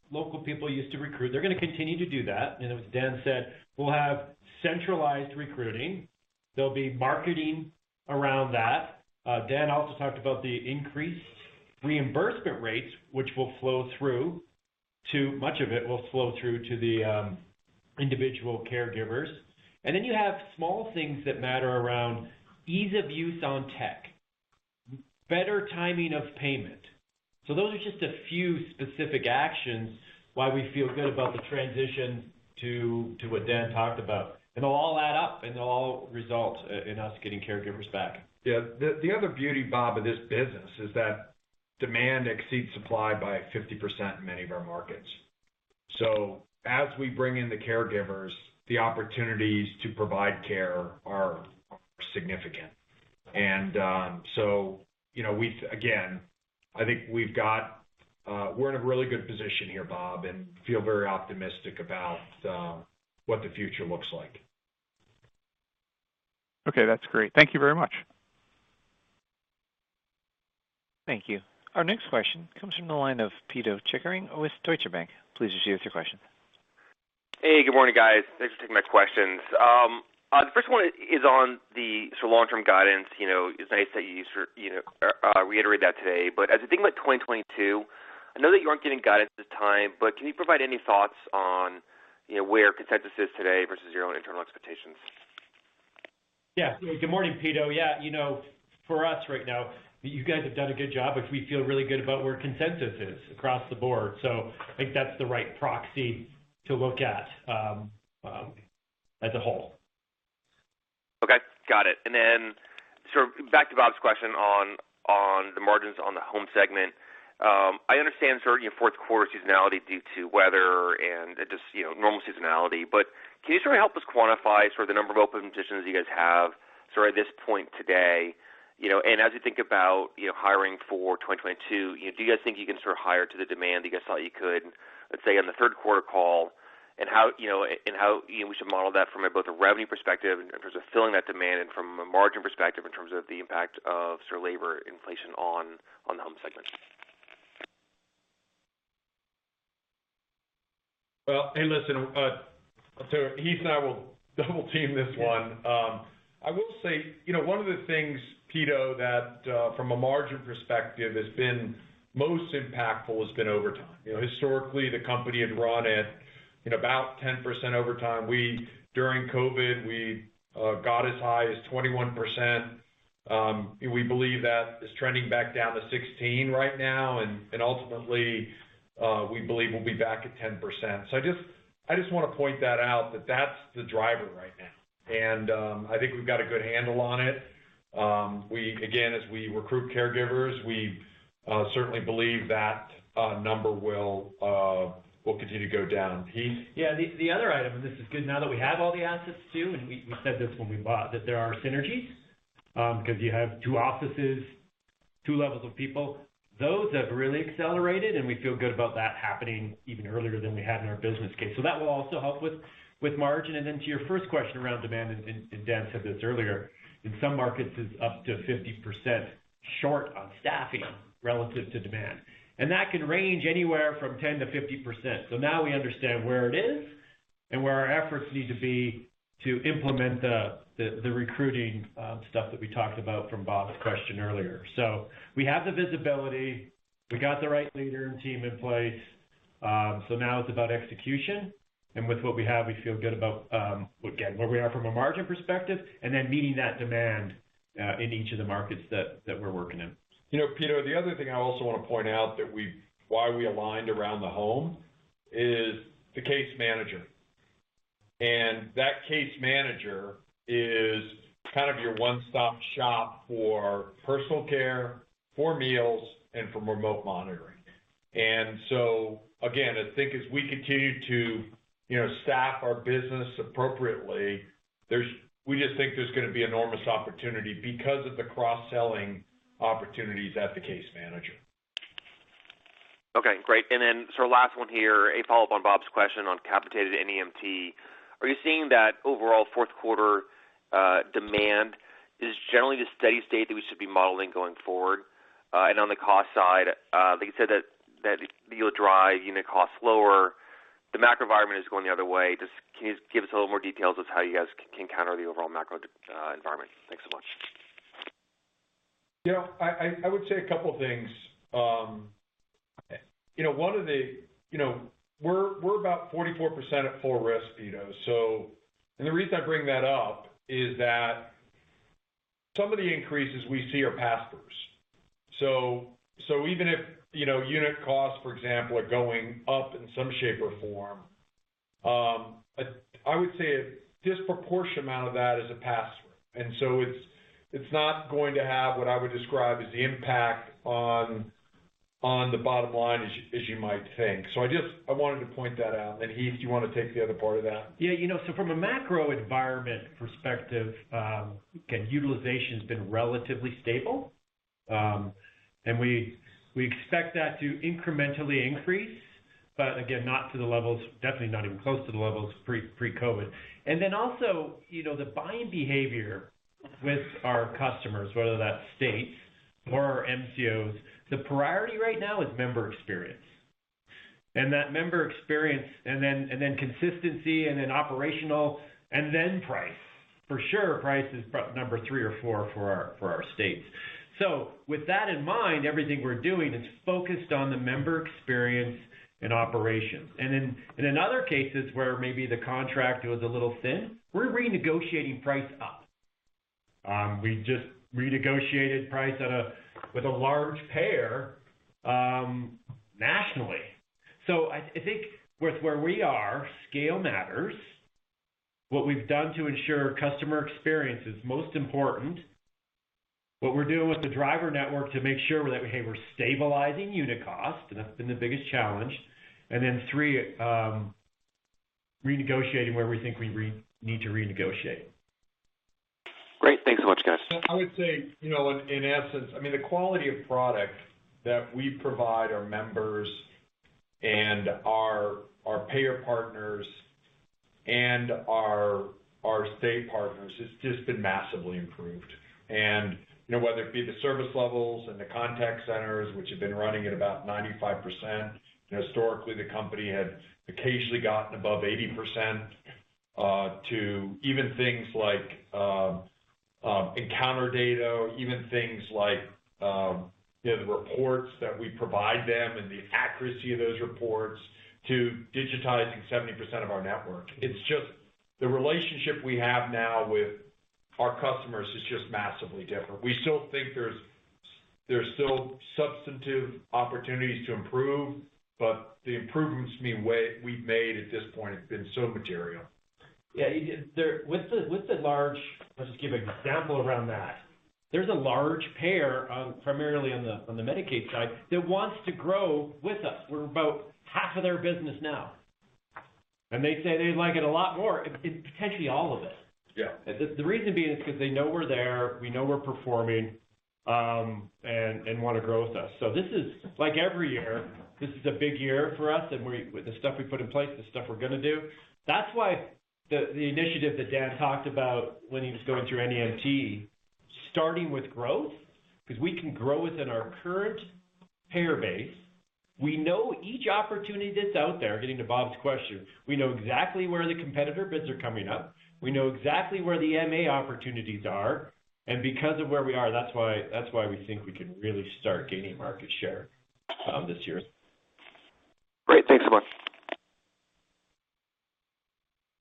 people used to recruit, they're gonna continue to do that. You know, as Dan said, we'll have centralized recruiting. There'll be marketing around that. Dan also talked about the increased reimbursement rates, which will flow through to much of it will flow through to the individual caregivers. And then you have small things that matter around ease of use on tech, better timing of payment. Those are just a few specific actions why we feel good about the transition to what Dan talked about. It'll all add up, and it'll all result in us getting caregivers back. Yeah. The other beauty, Bob, of this business is that demand exceeds supply by 50% in many of our markets. As we bring in the caregivers, the opportunities to provide care are significant. You know, again, I think we've got, we're in a really good position here, Bob, and feel very optimistic about what the future looks like. Okay, that's great. Thank you very much. Thank you. Our next question comes from the line of Pito Chickering with Deutsche Bank. Please proceed with your question. Hey, good morning, guys. Thanks for taking my questions. The first one is on the sort of long-term guidance. You know, it's nice that you sort of, you know, reiterate that today. As you think about 2022, I know that you aren't giving guidance this time, but can you provide any thoughts on, you know, where consensus is today versus your own internal expectations? Yeah. Good morning, Pito. Yeah, you know, for us right now, you guys have done a good job, which we feel really good about where consensus is across the board. I think that's the right proxy to look at as a whole. Okay, got it. Then sort of back to Bob's question on the margins on the home segment. I understand sort of your fourth quarter seasonality due to weather and just, you know, normal seasonality. Can you sort of help us quantify sort of the number of open positions you guys have sort of at this point today, you know? As you think about, you know, hiring for 2022, you know, do you guys think you can sort of hire to the demand you guys thought you could, let's say, on the third quarter call, and how we should model that from both a revenue perspective in terms of filling that demand and from a margin perspective in terms of the impact of labor inflation on the home segment? Well, hey, listen, Heath and I will double team this one. I will say, you know, one of the things, Pito, that from a margin perspective has been most impactful has been overtime. You know, historically, the company had run at, you know, about 10% overtime. During COVID, we got as high as 21%. We believe that it's trending back down to 16% right now, and ultimately, we believe we'll be back at 10%. I just wanna point that out, that that's the driver right now. I think we've got a good handle on it. Again, as we recruit caregivers, we certainly believe that number will continue to go down. Heath. Yeah. The other item, and this is good now that we have all the assets too, and we said this when we bought, that there are synergies, 'cause you have two offices, two levels of people. Those have really accelerated, and we feel good about that happening even earlier than we had in our business case. That will also help with margin. To your first question around demand, Dan said this earlier, in some markets, it's up to 50% short on staffing relative to demand. That can range anywhere from 10%-50%. Now we understand where it is and where our efforts need to be to implement the recruiting stuff that we talked about from Bob's question earlier. We have the visibility. We got the right leader and team in place, so now it's about execution. With what we have, we feel good about, again, where we are from a margin perspective and then meeting that demand in each of the markets that we're working in. You know, Pito, the other thing I also wanna point out that why we aligned around the home is the case manager. That case manager is kind of your one-stop shop for personal care, for meals, and for remote monitoring. Again, I think as we continue to, you know, staff our business appropriately, we just think there's gonna be enormous opportunity because of the cross-selling opportunities at the case manager. Okay, great. Last one here, a follow-up on Bob's question on capitated NEMT. Are you seeing that overall fourth quarter demand is generally the steady state that we should be modeling going forward? On the cost side, like you said that you'll drive unit costs lower. The macro environment is going the other way. Can you give us a little more details as to how you guys can counter the overall macro environment? Thanks so much. You know, I would say a couple things. You know, we're about 44% at full risk, Pito. The reason I bring that up is that some of the increases we see are pass-throughs. Even if, you know, unit costs, for example, are going up in some shape or form, I would say a disproportionate amount of that is a pass-through. It's not going to have what I would describe as the impact on the bottom line as you might think. I just wanted to point that out. Heath, do you wanna take the other part of that? Yeah. You know, so from a macro environment perspective, again, utilization's been relatively stable. We expect that to incrementally increase, but again, not to the levels, definitely not even close to the levels pre-COVID. You know, the buying behavior with our customers, whether that's states or MCOs, the priority right now is member experience. That member experience, and then consistency, and then operational, and then price. For sure, price is number three or four for our states. With that in mind, everything we're doing is focused on the member experience and operations. In other cases where maybe the contract was a little thin, we're renegotiating price up. We just renegotiated price with a large payer, nationally. I think with where we are, scale matters. What we've done to ensure customer experience is most important, what we're doing with the driver network to make sure that, hey, we're stabilizing unit cost, and that's been the biggest challenge, and then three, renegotiating where we think we need to renegotiate. Great. Thanks so much, guys. I would say, you know, in essence, I mean, the quality of product that we provide our members and our payer partners and our state partners has just been massively improved. You know, whether it be the service levels and the contact centers, which have been running at about 95%. Historically, the company had occasionally gotten above 80%, to even things like encounter data, even things like you know, the reports that we provide them and the accuracy of those reports to digitizing 70% of our network. It's just the relationship we have now with our customers is just massively different. We still think there's still substantive opportunities to improve, but the improvements we've made at this point have been so material. Yeah. I'll just give you an example around that. There's a large payer, primarily on the Medicaid side, that wants to grow with us. We're about half of their business now. They say they'd like it a lot more, potentially all of it. Yeah. The reason being is because they know we're there, we know we're performing, and want to grow with us. This is like every year, this is a big year for us, and with the stuff we put in place, the stuff we're going to do. That's why the initiative that Dan talked about when he was going through NEMT, starting with growth, because we can grow within our current payer base. We know each opportunity that's out there, getting to Bob's question, we know exactly where the competitor bids are coming up. We know exactly where the MA opportunities are. Because of where we are, that's why we think we can really start gaining market share this year. Great. Thanks so much.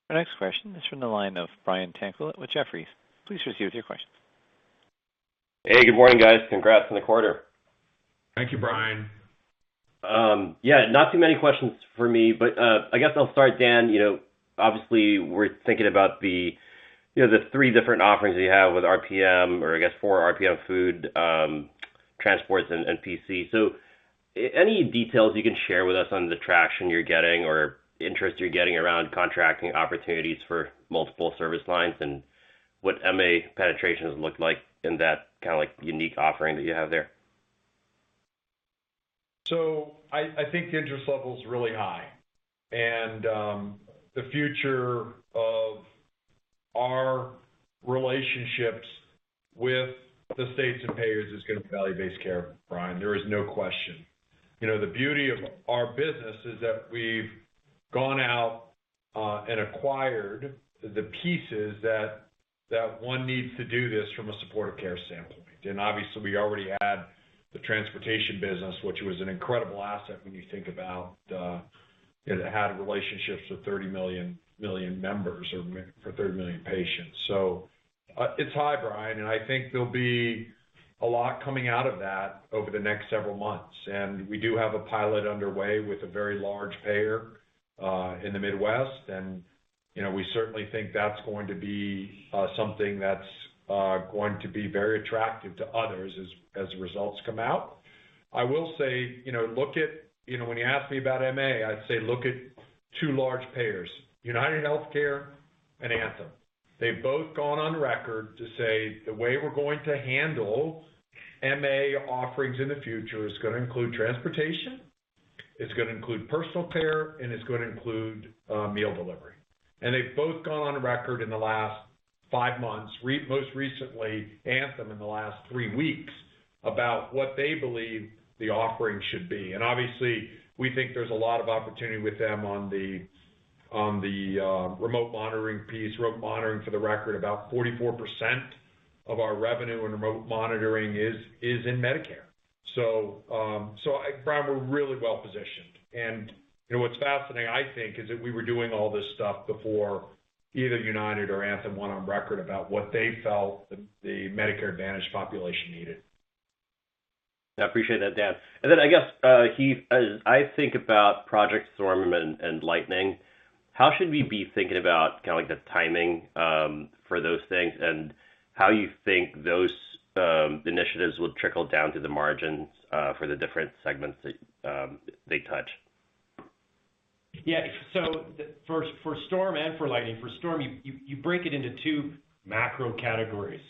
Our next question is from the line of Brian Tanquilut with Jefferies. Please proceed with your question. Hey, good morning, guys. Congrats on the quarter. Thank you, Brian. Yeah, not too many questions for me, but I guess I'll start, Dan. You know, obviously we're thinking about the, you know, the three different offerings you have with RPM, or I guess four, RPM Food, transports and NPC. So any details you can share with us on the traction you're getting or interest you're getting around contracting opportunities for multiple service lines and what MA penetrations look like in that kinda like unique offering that you have there? I think the interest level is really high, and the future of our relationships with the states and payers is going to value-based care, Brian. There is no question. You know, the beauty of our business is that we've gone out and acquired the pieces that one needs to do this from a supportive care standpoint. And obviously, we already had the transportation business, which was an incredible asset when you think about it had relationships with 30 million members or 30 million patients. It's high, Brian, and I think there'll be a lot coming out of that over the next several months. And we do have a pilot underway with a very large payer in the Midwest. You know, we certainly think that's going to be something that's going to be very attractive to others as the results come out. I will say, you know, look at, you know, when you ask me about MA, I'd say look at two large payers, UnitedHealthcare and Anthem. They've both gone on record to say, "The way we're going to handle MA offerings in the future is gonna include transportation, it's gonna include personal care, and it's gonna include meal delivery." They've both gone on record in the last five months, most recently, Anthem in the last three weeks, about what they believe the offering should be. Obviously, we think there's a lot of opportunity with them on the remote monitoring piece. Remote monitoring, for the record, about 44% of our revenue in remote monitoring is in Medicare. Brian, we're really well positioned. You know, what's fascinating, I think, is that we were doing all this stuff before either United or Anthem went on record about what they felt the Medicare Advantage population needed. I appreciate that, Dan. I guess, Heath, as I think about Project Storm and Lightning, how should we be thinking about the timing for those things and how you think those initiatives will trickle down to the margins for the different segments that they touch? Yeah. For Storm and for Lightning, for Storm, you break it into two macro categories: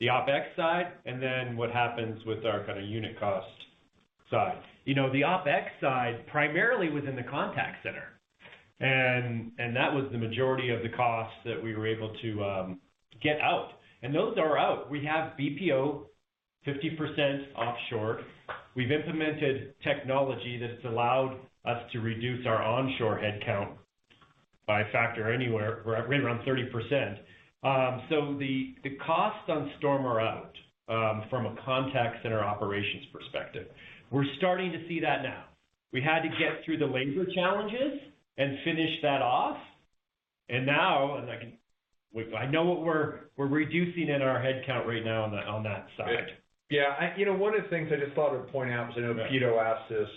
the OpEx side, and then what happens with our kinda unit cost side. You know, the OpEx side, primarily within the contact center, and that was the majority of the costs that we were able to get out, and those are out. We have BPO, 50% offshore. We've implemented technology that's allowed us to reduce our onshore headcount by a factor anywhere right around 30%. The costs on Storm are out, from a contact center operations perspective. We're starting to see that now. We had to get through the labor challenges and finish that off. Now, I know what we're reducing in our headcount right now on that side. Yeah. You know, one of the things I just thought I'd point out, because I know Pito asked this,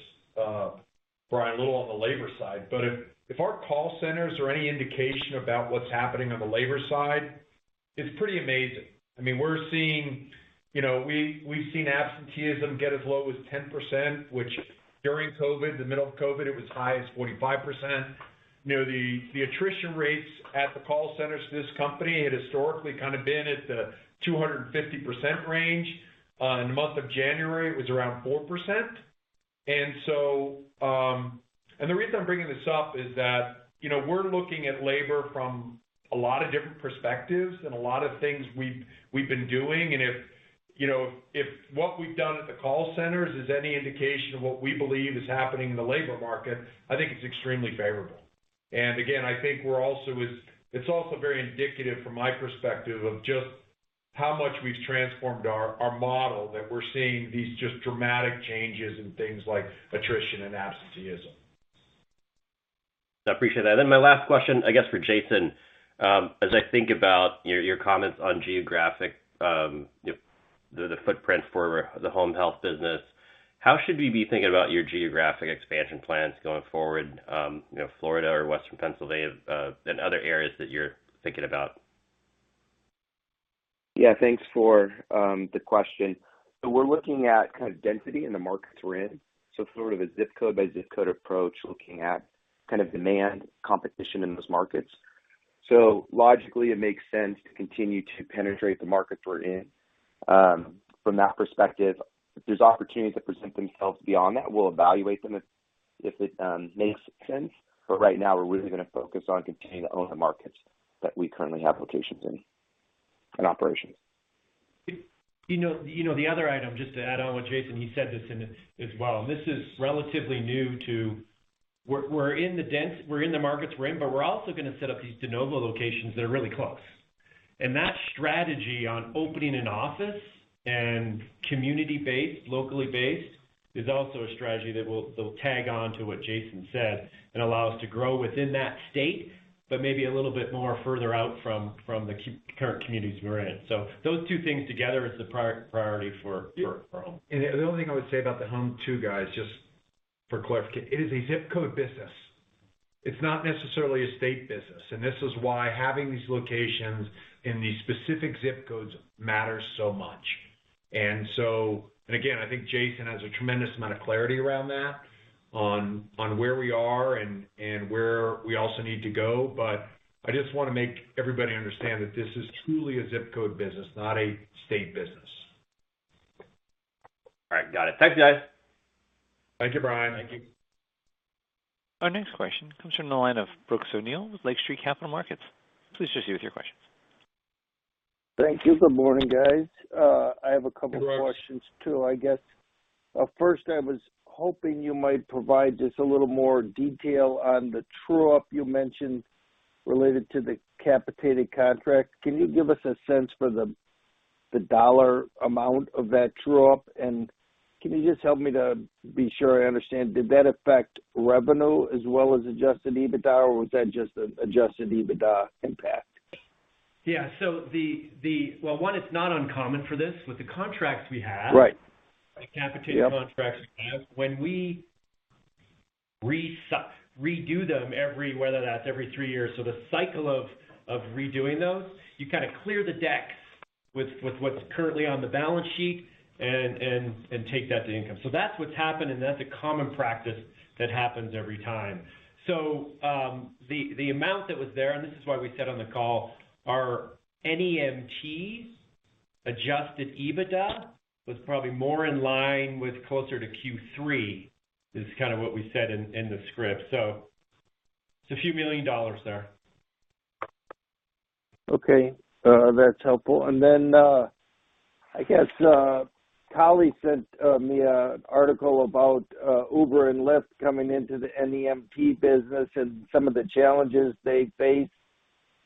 Brian, a little on the labor side, but if our call centers are any indication about what's happening on the labor side, it's pretty amazing. I mean, we're seeing. You know, we've seen absenteeism get as low as 10%, which during COVID, the middle of COVID, it was as high as 45%. You know, the attrition rates at the call centers for this company had historically kinda been at the 250% range. In the month of January, it was around 4%. The reason I'm bringing this up is that, you know, we're looking at labor from a lot of different perspectives and a lot of things we've been doing. If, you know, if what we've done at the call centers is any indication of what we believe is happening in the labor market, I think it's extremely favorable. Again, I think it's also very indicative from my perspective of just how much we've transformed our model that we're seeing these just dramatic changes in things like attrition and absenteeism. I appreciate that. My last question, I guess for Jason. As I think about your comments on geographic, you know, the footprints for the home health business, how should we be thinking about your geographic expansion plans going forward, you know, Florida or Western Pennsylvania, and other areas that you're thinking about? Yeah, thanks for the question. We're looking at kind of density in the markets we're in. Sort of a ZIP code by ZIP code approach, looking at kind of demand competition in those markets. Logically, it makes sense to continue to penetrate the markets we're in. From that perspective, if there's opportunities that present themselves beyond that, we'll evaluate them if it makes sense. Right now, we're really gonna focus on continuing to own the markets that we currently have locations in and operations. You know, the other item, just to add on what Jason said, and this is relatively new to where we're in the markets we're in, but we're also gonna set up these de novo locations that are really close. That strategy on opening an office and community-based, locally based, is also a strategy that will tag on to what Jason said and allow us to grow within that state, but maybe a little bit more further out from the current communities we're in. Those two things together is the priority for Home. The only thing I would say about the Home too, guys, just for clarity, it is a ZIP code business. It's not necessarily a state business, and this is why having these locations in these specific ZIP codes matters so much. Again, I think Jason has a tremendous amount of clarity around that on where we are and where we also need to go, but I just wanna make everybody understand that this is truly a ZIP code business, not a state business. All right. Got it. Thanks, guys. Thank you, Brian. Thank you. Our next question comes from the line of Brooks O'Neil with Lake Street Capital Markets. Please proceed with your question. Thank you. Good morning, guys. I have a couple questions. Good morning. First, I was hoping you might provide just a little more detail on the true-up you mentioned related to the capitated contract. Can you give us a sense for the dollar amount of that true-up? And can you just help me to be sure I understand, did that affect revenue as well as adjusted EBITDA, or was that just an adjusted EBITDA impact? Well, one, it's not uncommon for this with the contracts we have. Right. The capitated contracts we have, when we redo them every whether that's every three years. The cycle of redoing those, you kinda clear the deck with what's currently on the balance sheet and take that to income. That's what's happened, and that's a common practice that happens every time. The amount that was there, and this is why we said on the call, our NEMT adjusted EBITDA was probably more in line with closer to Q3, is kinda what we said in the script. It's $a few million there. Okay. That's helpful. Then, I guess, Kali sent me a article about Uber and Lyft coming into the NEMT business and some of the challenges they face.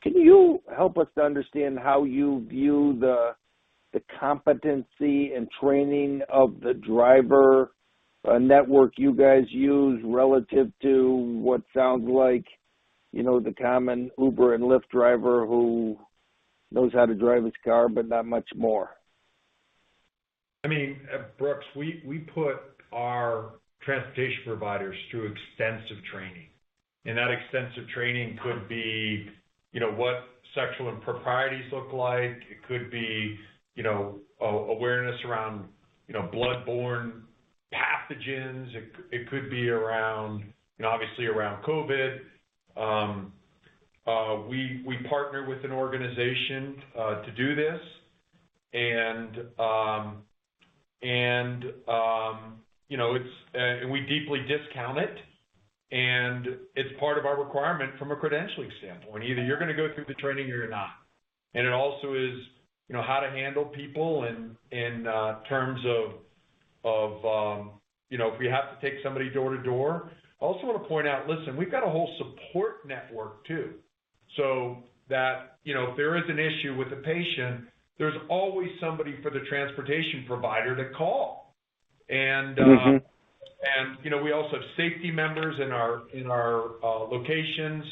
Can you help us to understand how you view the competency and training of the driver network you guys use relative to what sounds like, you know, the common Uber and Lyft driver who knows how to drive his car, but not much more? I mean, Brooks, we put our transportation providers through extensive training, and that extensive training could be, you know, what sexual improprieties look like. It could be, you know, awareness around, you know, bloodborne pathogens. It could be around, you know, obviously around COVID. We partner with an organization to do this and, you know, it's we deeply discount it, and it's part of our requirement from a credentialing standpoint. Either you're gonna go through the training or you're not. It also is, you know, how to handle people in terms of, you know, if we have to take somebody door to door. I also wanna point out, listen, we've got a whole support network too. That, you know, if there is an issue with a patient, there's always somebody for the transportation provider to call. Mm-hmm. You know, we also have safety members in our locations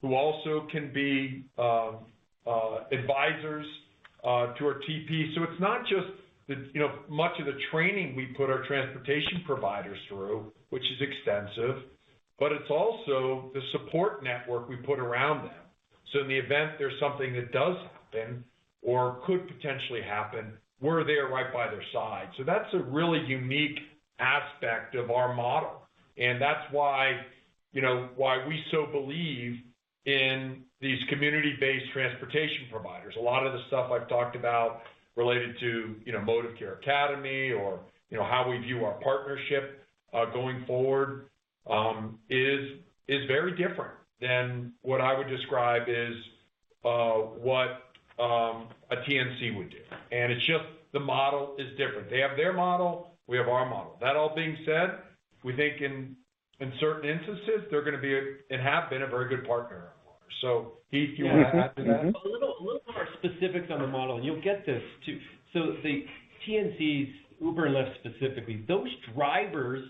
who also can be advisors to our TP. So it's not just the, you know, much of the training we put our transportation providers through, which is extensive, but it's also the support network we put around them. So in the event there's something that does happen or could potentially happen, we're there right by their side. So that's a really unique aspect of our model. That's why, you know, why we so believe in these community-based transportation providers. A lot of the stuff I've talked about related to, you know, ModivCare Academy or, you know, how we view our partnership going forward, is very different than what I would describe is what a TNC would do. It's just the model is different. They have their model, we have our model. That all being said, we think in certain instances, they're gonna be, and have been, a very good partner of ours. Heath, do you wanna add to that? A little more specifics on the model, and you'll get this too. The TNCs, Uber and Lyft specifically, those drivers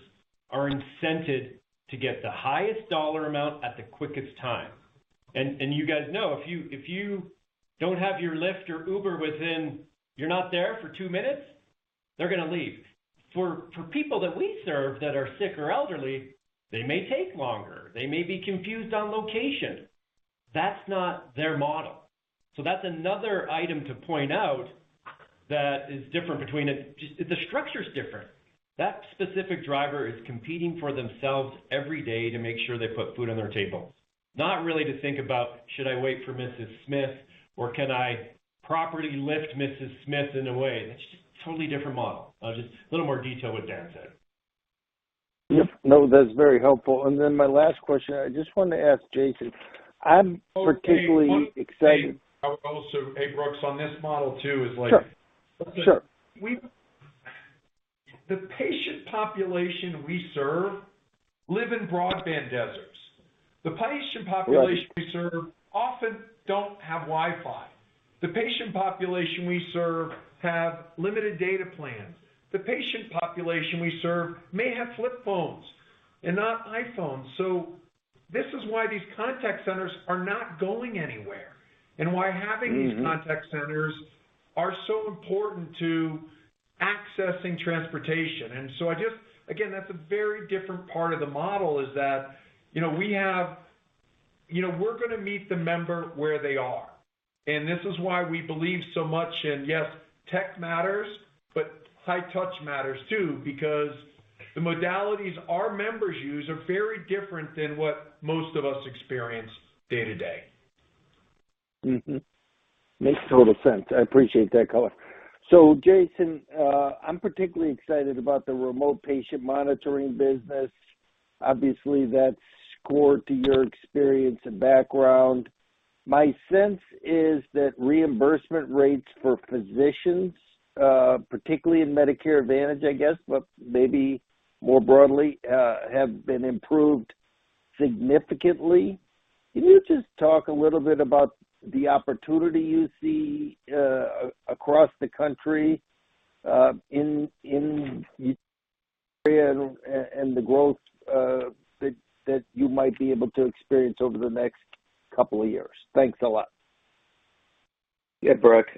are incented to get the highest dollar amount at the quickest time. You guys know, if you don't have your Lyft or Uber within. You're not there for two minutes, they're gonna leave. People that we serve that are sick or elderly, they may take longer. They may be confused on location. That's not their model. That's another item to point out that is different between it. Just the structure's different. That specific driver is competing for themselves every day to make sure they put food on their table, not really to think about, "Should I wait for Mrs. Smith, or can I properly lift Mrs. Smith in a way?" That's just a totally different model. Just a little more detail what Dan said. Yep. No, that's very helpful. Then my last question, I just wanted to ask Jason. I'm particularly excited. Hey, Brooks, on this model too is like Sure, sure. The patient population we serve live in broadband deserts. The patient population we serve often don't have Wi-Fi. The patient population we serve have limited data plans. The patient population we serve may have flip phones and not iPhones. This is why these contact centers are not going anywhere and why having these contact centers are so important to accessing transportation. I just, again, that's a very different part of the model is that, you know, we have. You know, we're gonna meet the member where they are. This is why we believe so much in, yes, tech matters, but high touch matters too, because the modalities our members use are very different than what most of us experience day-to-day. Makes total sense. I appreciate that color. Jason, I'm particularly excited about the remote patient monitoring business. Obviously, that's core to your experience and background. My sense is that reimbursement rates for physicians, particularly in Medicare Advantage, I guess, but maybe more broadly, have been improved significantly. Can you just talk a little bit about the opportunity you see across the country, in and the growth that you might be able to experience over the next couple of years? Thanks a lot. Yeah, Brooks.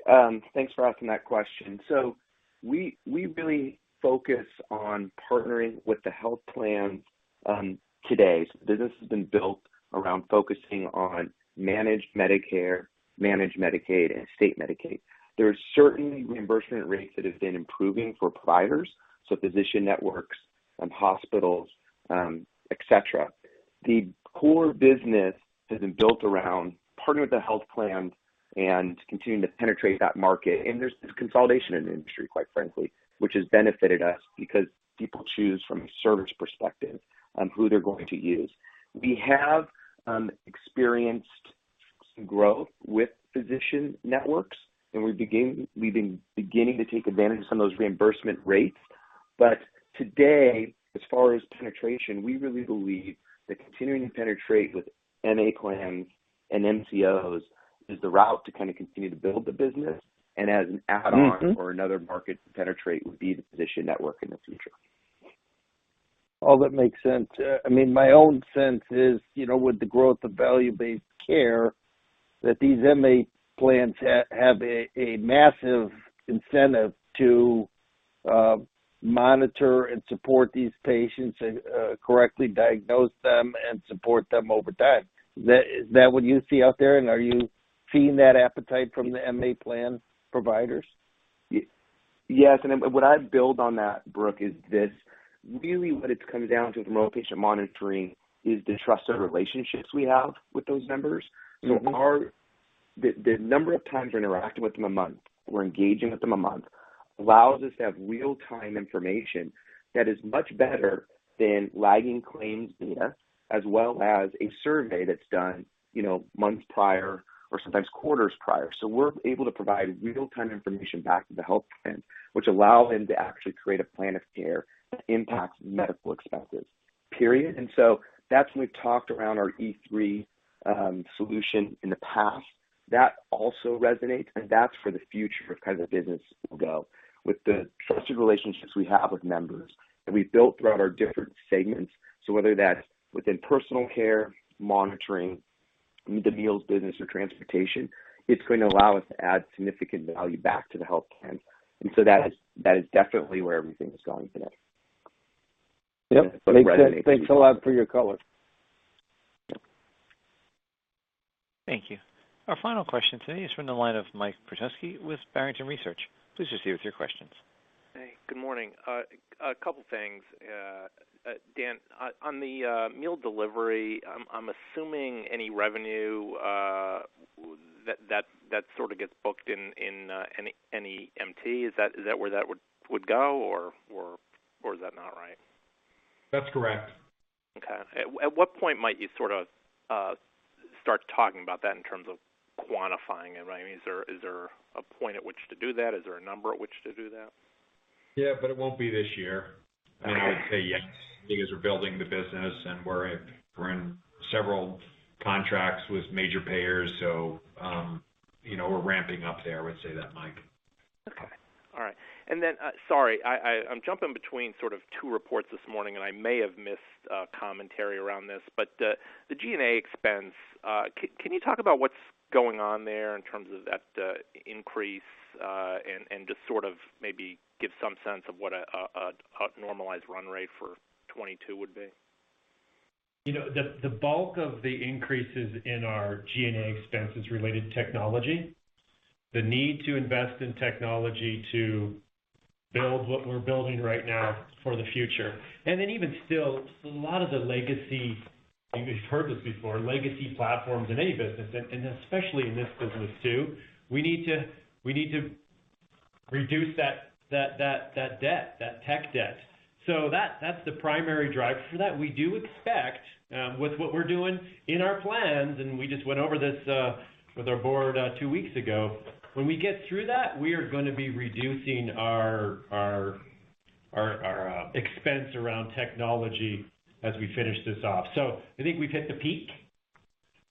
Thanks for asking that question. We really focus on partnering with the health plan today. The business has been built around focusing on managed Medicare, managed Medicaid, and state Medicaid. There are certain reimbursement rates that have been improving for providers, so physician networks and hospitals, et cetera. The core business has been built around partnering with the health plan and continuing to penetrate that market. There's consolidation in the industry, quite frankly, which has benefited us because people choose from a service perspective on who they're going to use. We have experienced some growth with physician networks, and we've been beginning to take advantage of some of those reimbursement rates. Today, as far as penetration, we really believe that continuing to penetrate with MA plans and MCOs is the route to kind of continue to build the business. As an add-on or another market to penetrate would be the physician network in the future. All that makes sense. I mean, my own sense is, you know, with the growth of value-based care, that these MA plans have a massive incentive to monitor and support these patients and correctly diagnose them and support them over time. Is that what you see out there, and are you seeing that appetite from the MA plan providers? Yes, what I build on that, Brooks, is this. Really, what it comes down to with remote patient monitoring is the trusted relationships we have with those members. You know, or the number of times we're interacting with them a month, we're engaging with them a month, allows us to have real-time information that is much better than lagging claims data, as well as a survey that's done, you know, months prior or sometimes quarters prior. We're able to provide real-time information back to the health plan, which allow them to actually create a plan of care that impacts medical expenses, period. That's when we've talked around our E3 solution in the past. That also resonates, and that's where the future of kind of the business will go with the trusted relationships we have with members. We've built throughout our different segments, so whether that's within personal care, monitoring, the meals business or transportation, it's going to allow us to add significant value back to the health plan. That is definitely where everything is going today. Yep. Thanks a lot for your color. Thank you. Our final question today is from the line of Mike Petusky with Barrington Research. Please proceed with your questions. Hey, good morning. A couple things. Dan, on the meal delivery, I'm assuming any revenue that sort of gets booked in NEMT. Is that where that would go or is that not right? That's correct. Okay. At what point might you sort of start talking about that in terms of quantifying it, right? I mean, is there a point at which to do that? Is there a number at which to do that? Yeah, it won't be this year. I mean, I'd say yes, because we're building the business and we're in several contracts with major payers. You know, we're ramping up there. I would say that, Mike. Okay. All right. Sorry, I'm jumping between sort of two reports this morning, and I may have missed commentary around this, but the G&A expense, can you talk about what's going on there in terms of that increase, and just sort of maybe give some sense of what a normalized run rate for 2022 would be? You know, the bulk of the increases in our G&A expense is related to technology. The need to invest in technology to build what we're building right now for the future. Even still, a lot of the legacy, you've heard this before, legacy platforms in any business and especially in this business too, we need to reduce that tech debt. That's the primary driver for that. We do expect with what we're doing in our plans, and we just went over this with our board two weeks ago. When we get through that, we are gonna be reducing our expense around technology as we finish this off. I think we've hit the peak.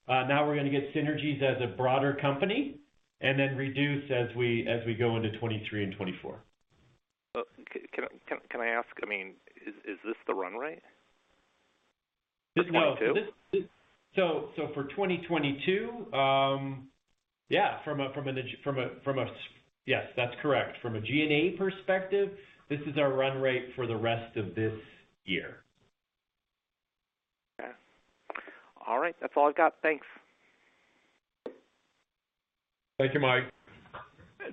Now we're gonna get synergies as a broader company and then reduce as we go into 2023 and 2024. Can I ask, I mean, is this the run rate for 2022? For 2022, yeah. Yes, that's correct. From a G&A perspective, this is our run rate for the rest of this year. Okay. All right. That's all I've got. Thanks. Thank you, Mike.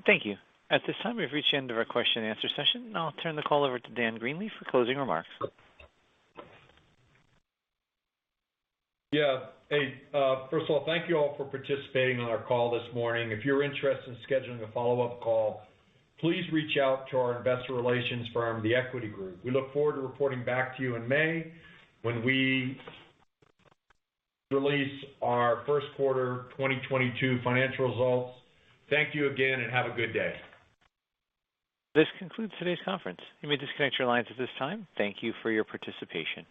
Thank you. At this time, we've reached the end of our question and answer session. I'll turn the call over to Dan Greenleaf for closing remarks. Hey, first of all, thank you all for participating on our call this morning. If you're interested in scheduling a follow-up call, please reach out to our investor relations firm, The Equity Group. We look forward to reporting back to you in May when we release our first quarter 2022 financial results. Thank you again, and have a good day. This concludes today's conference. You may disconnect your lines at this time. Thank you for your participation.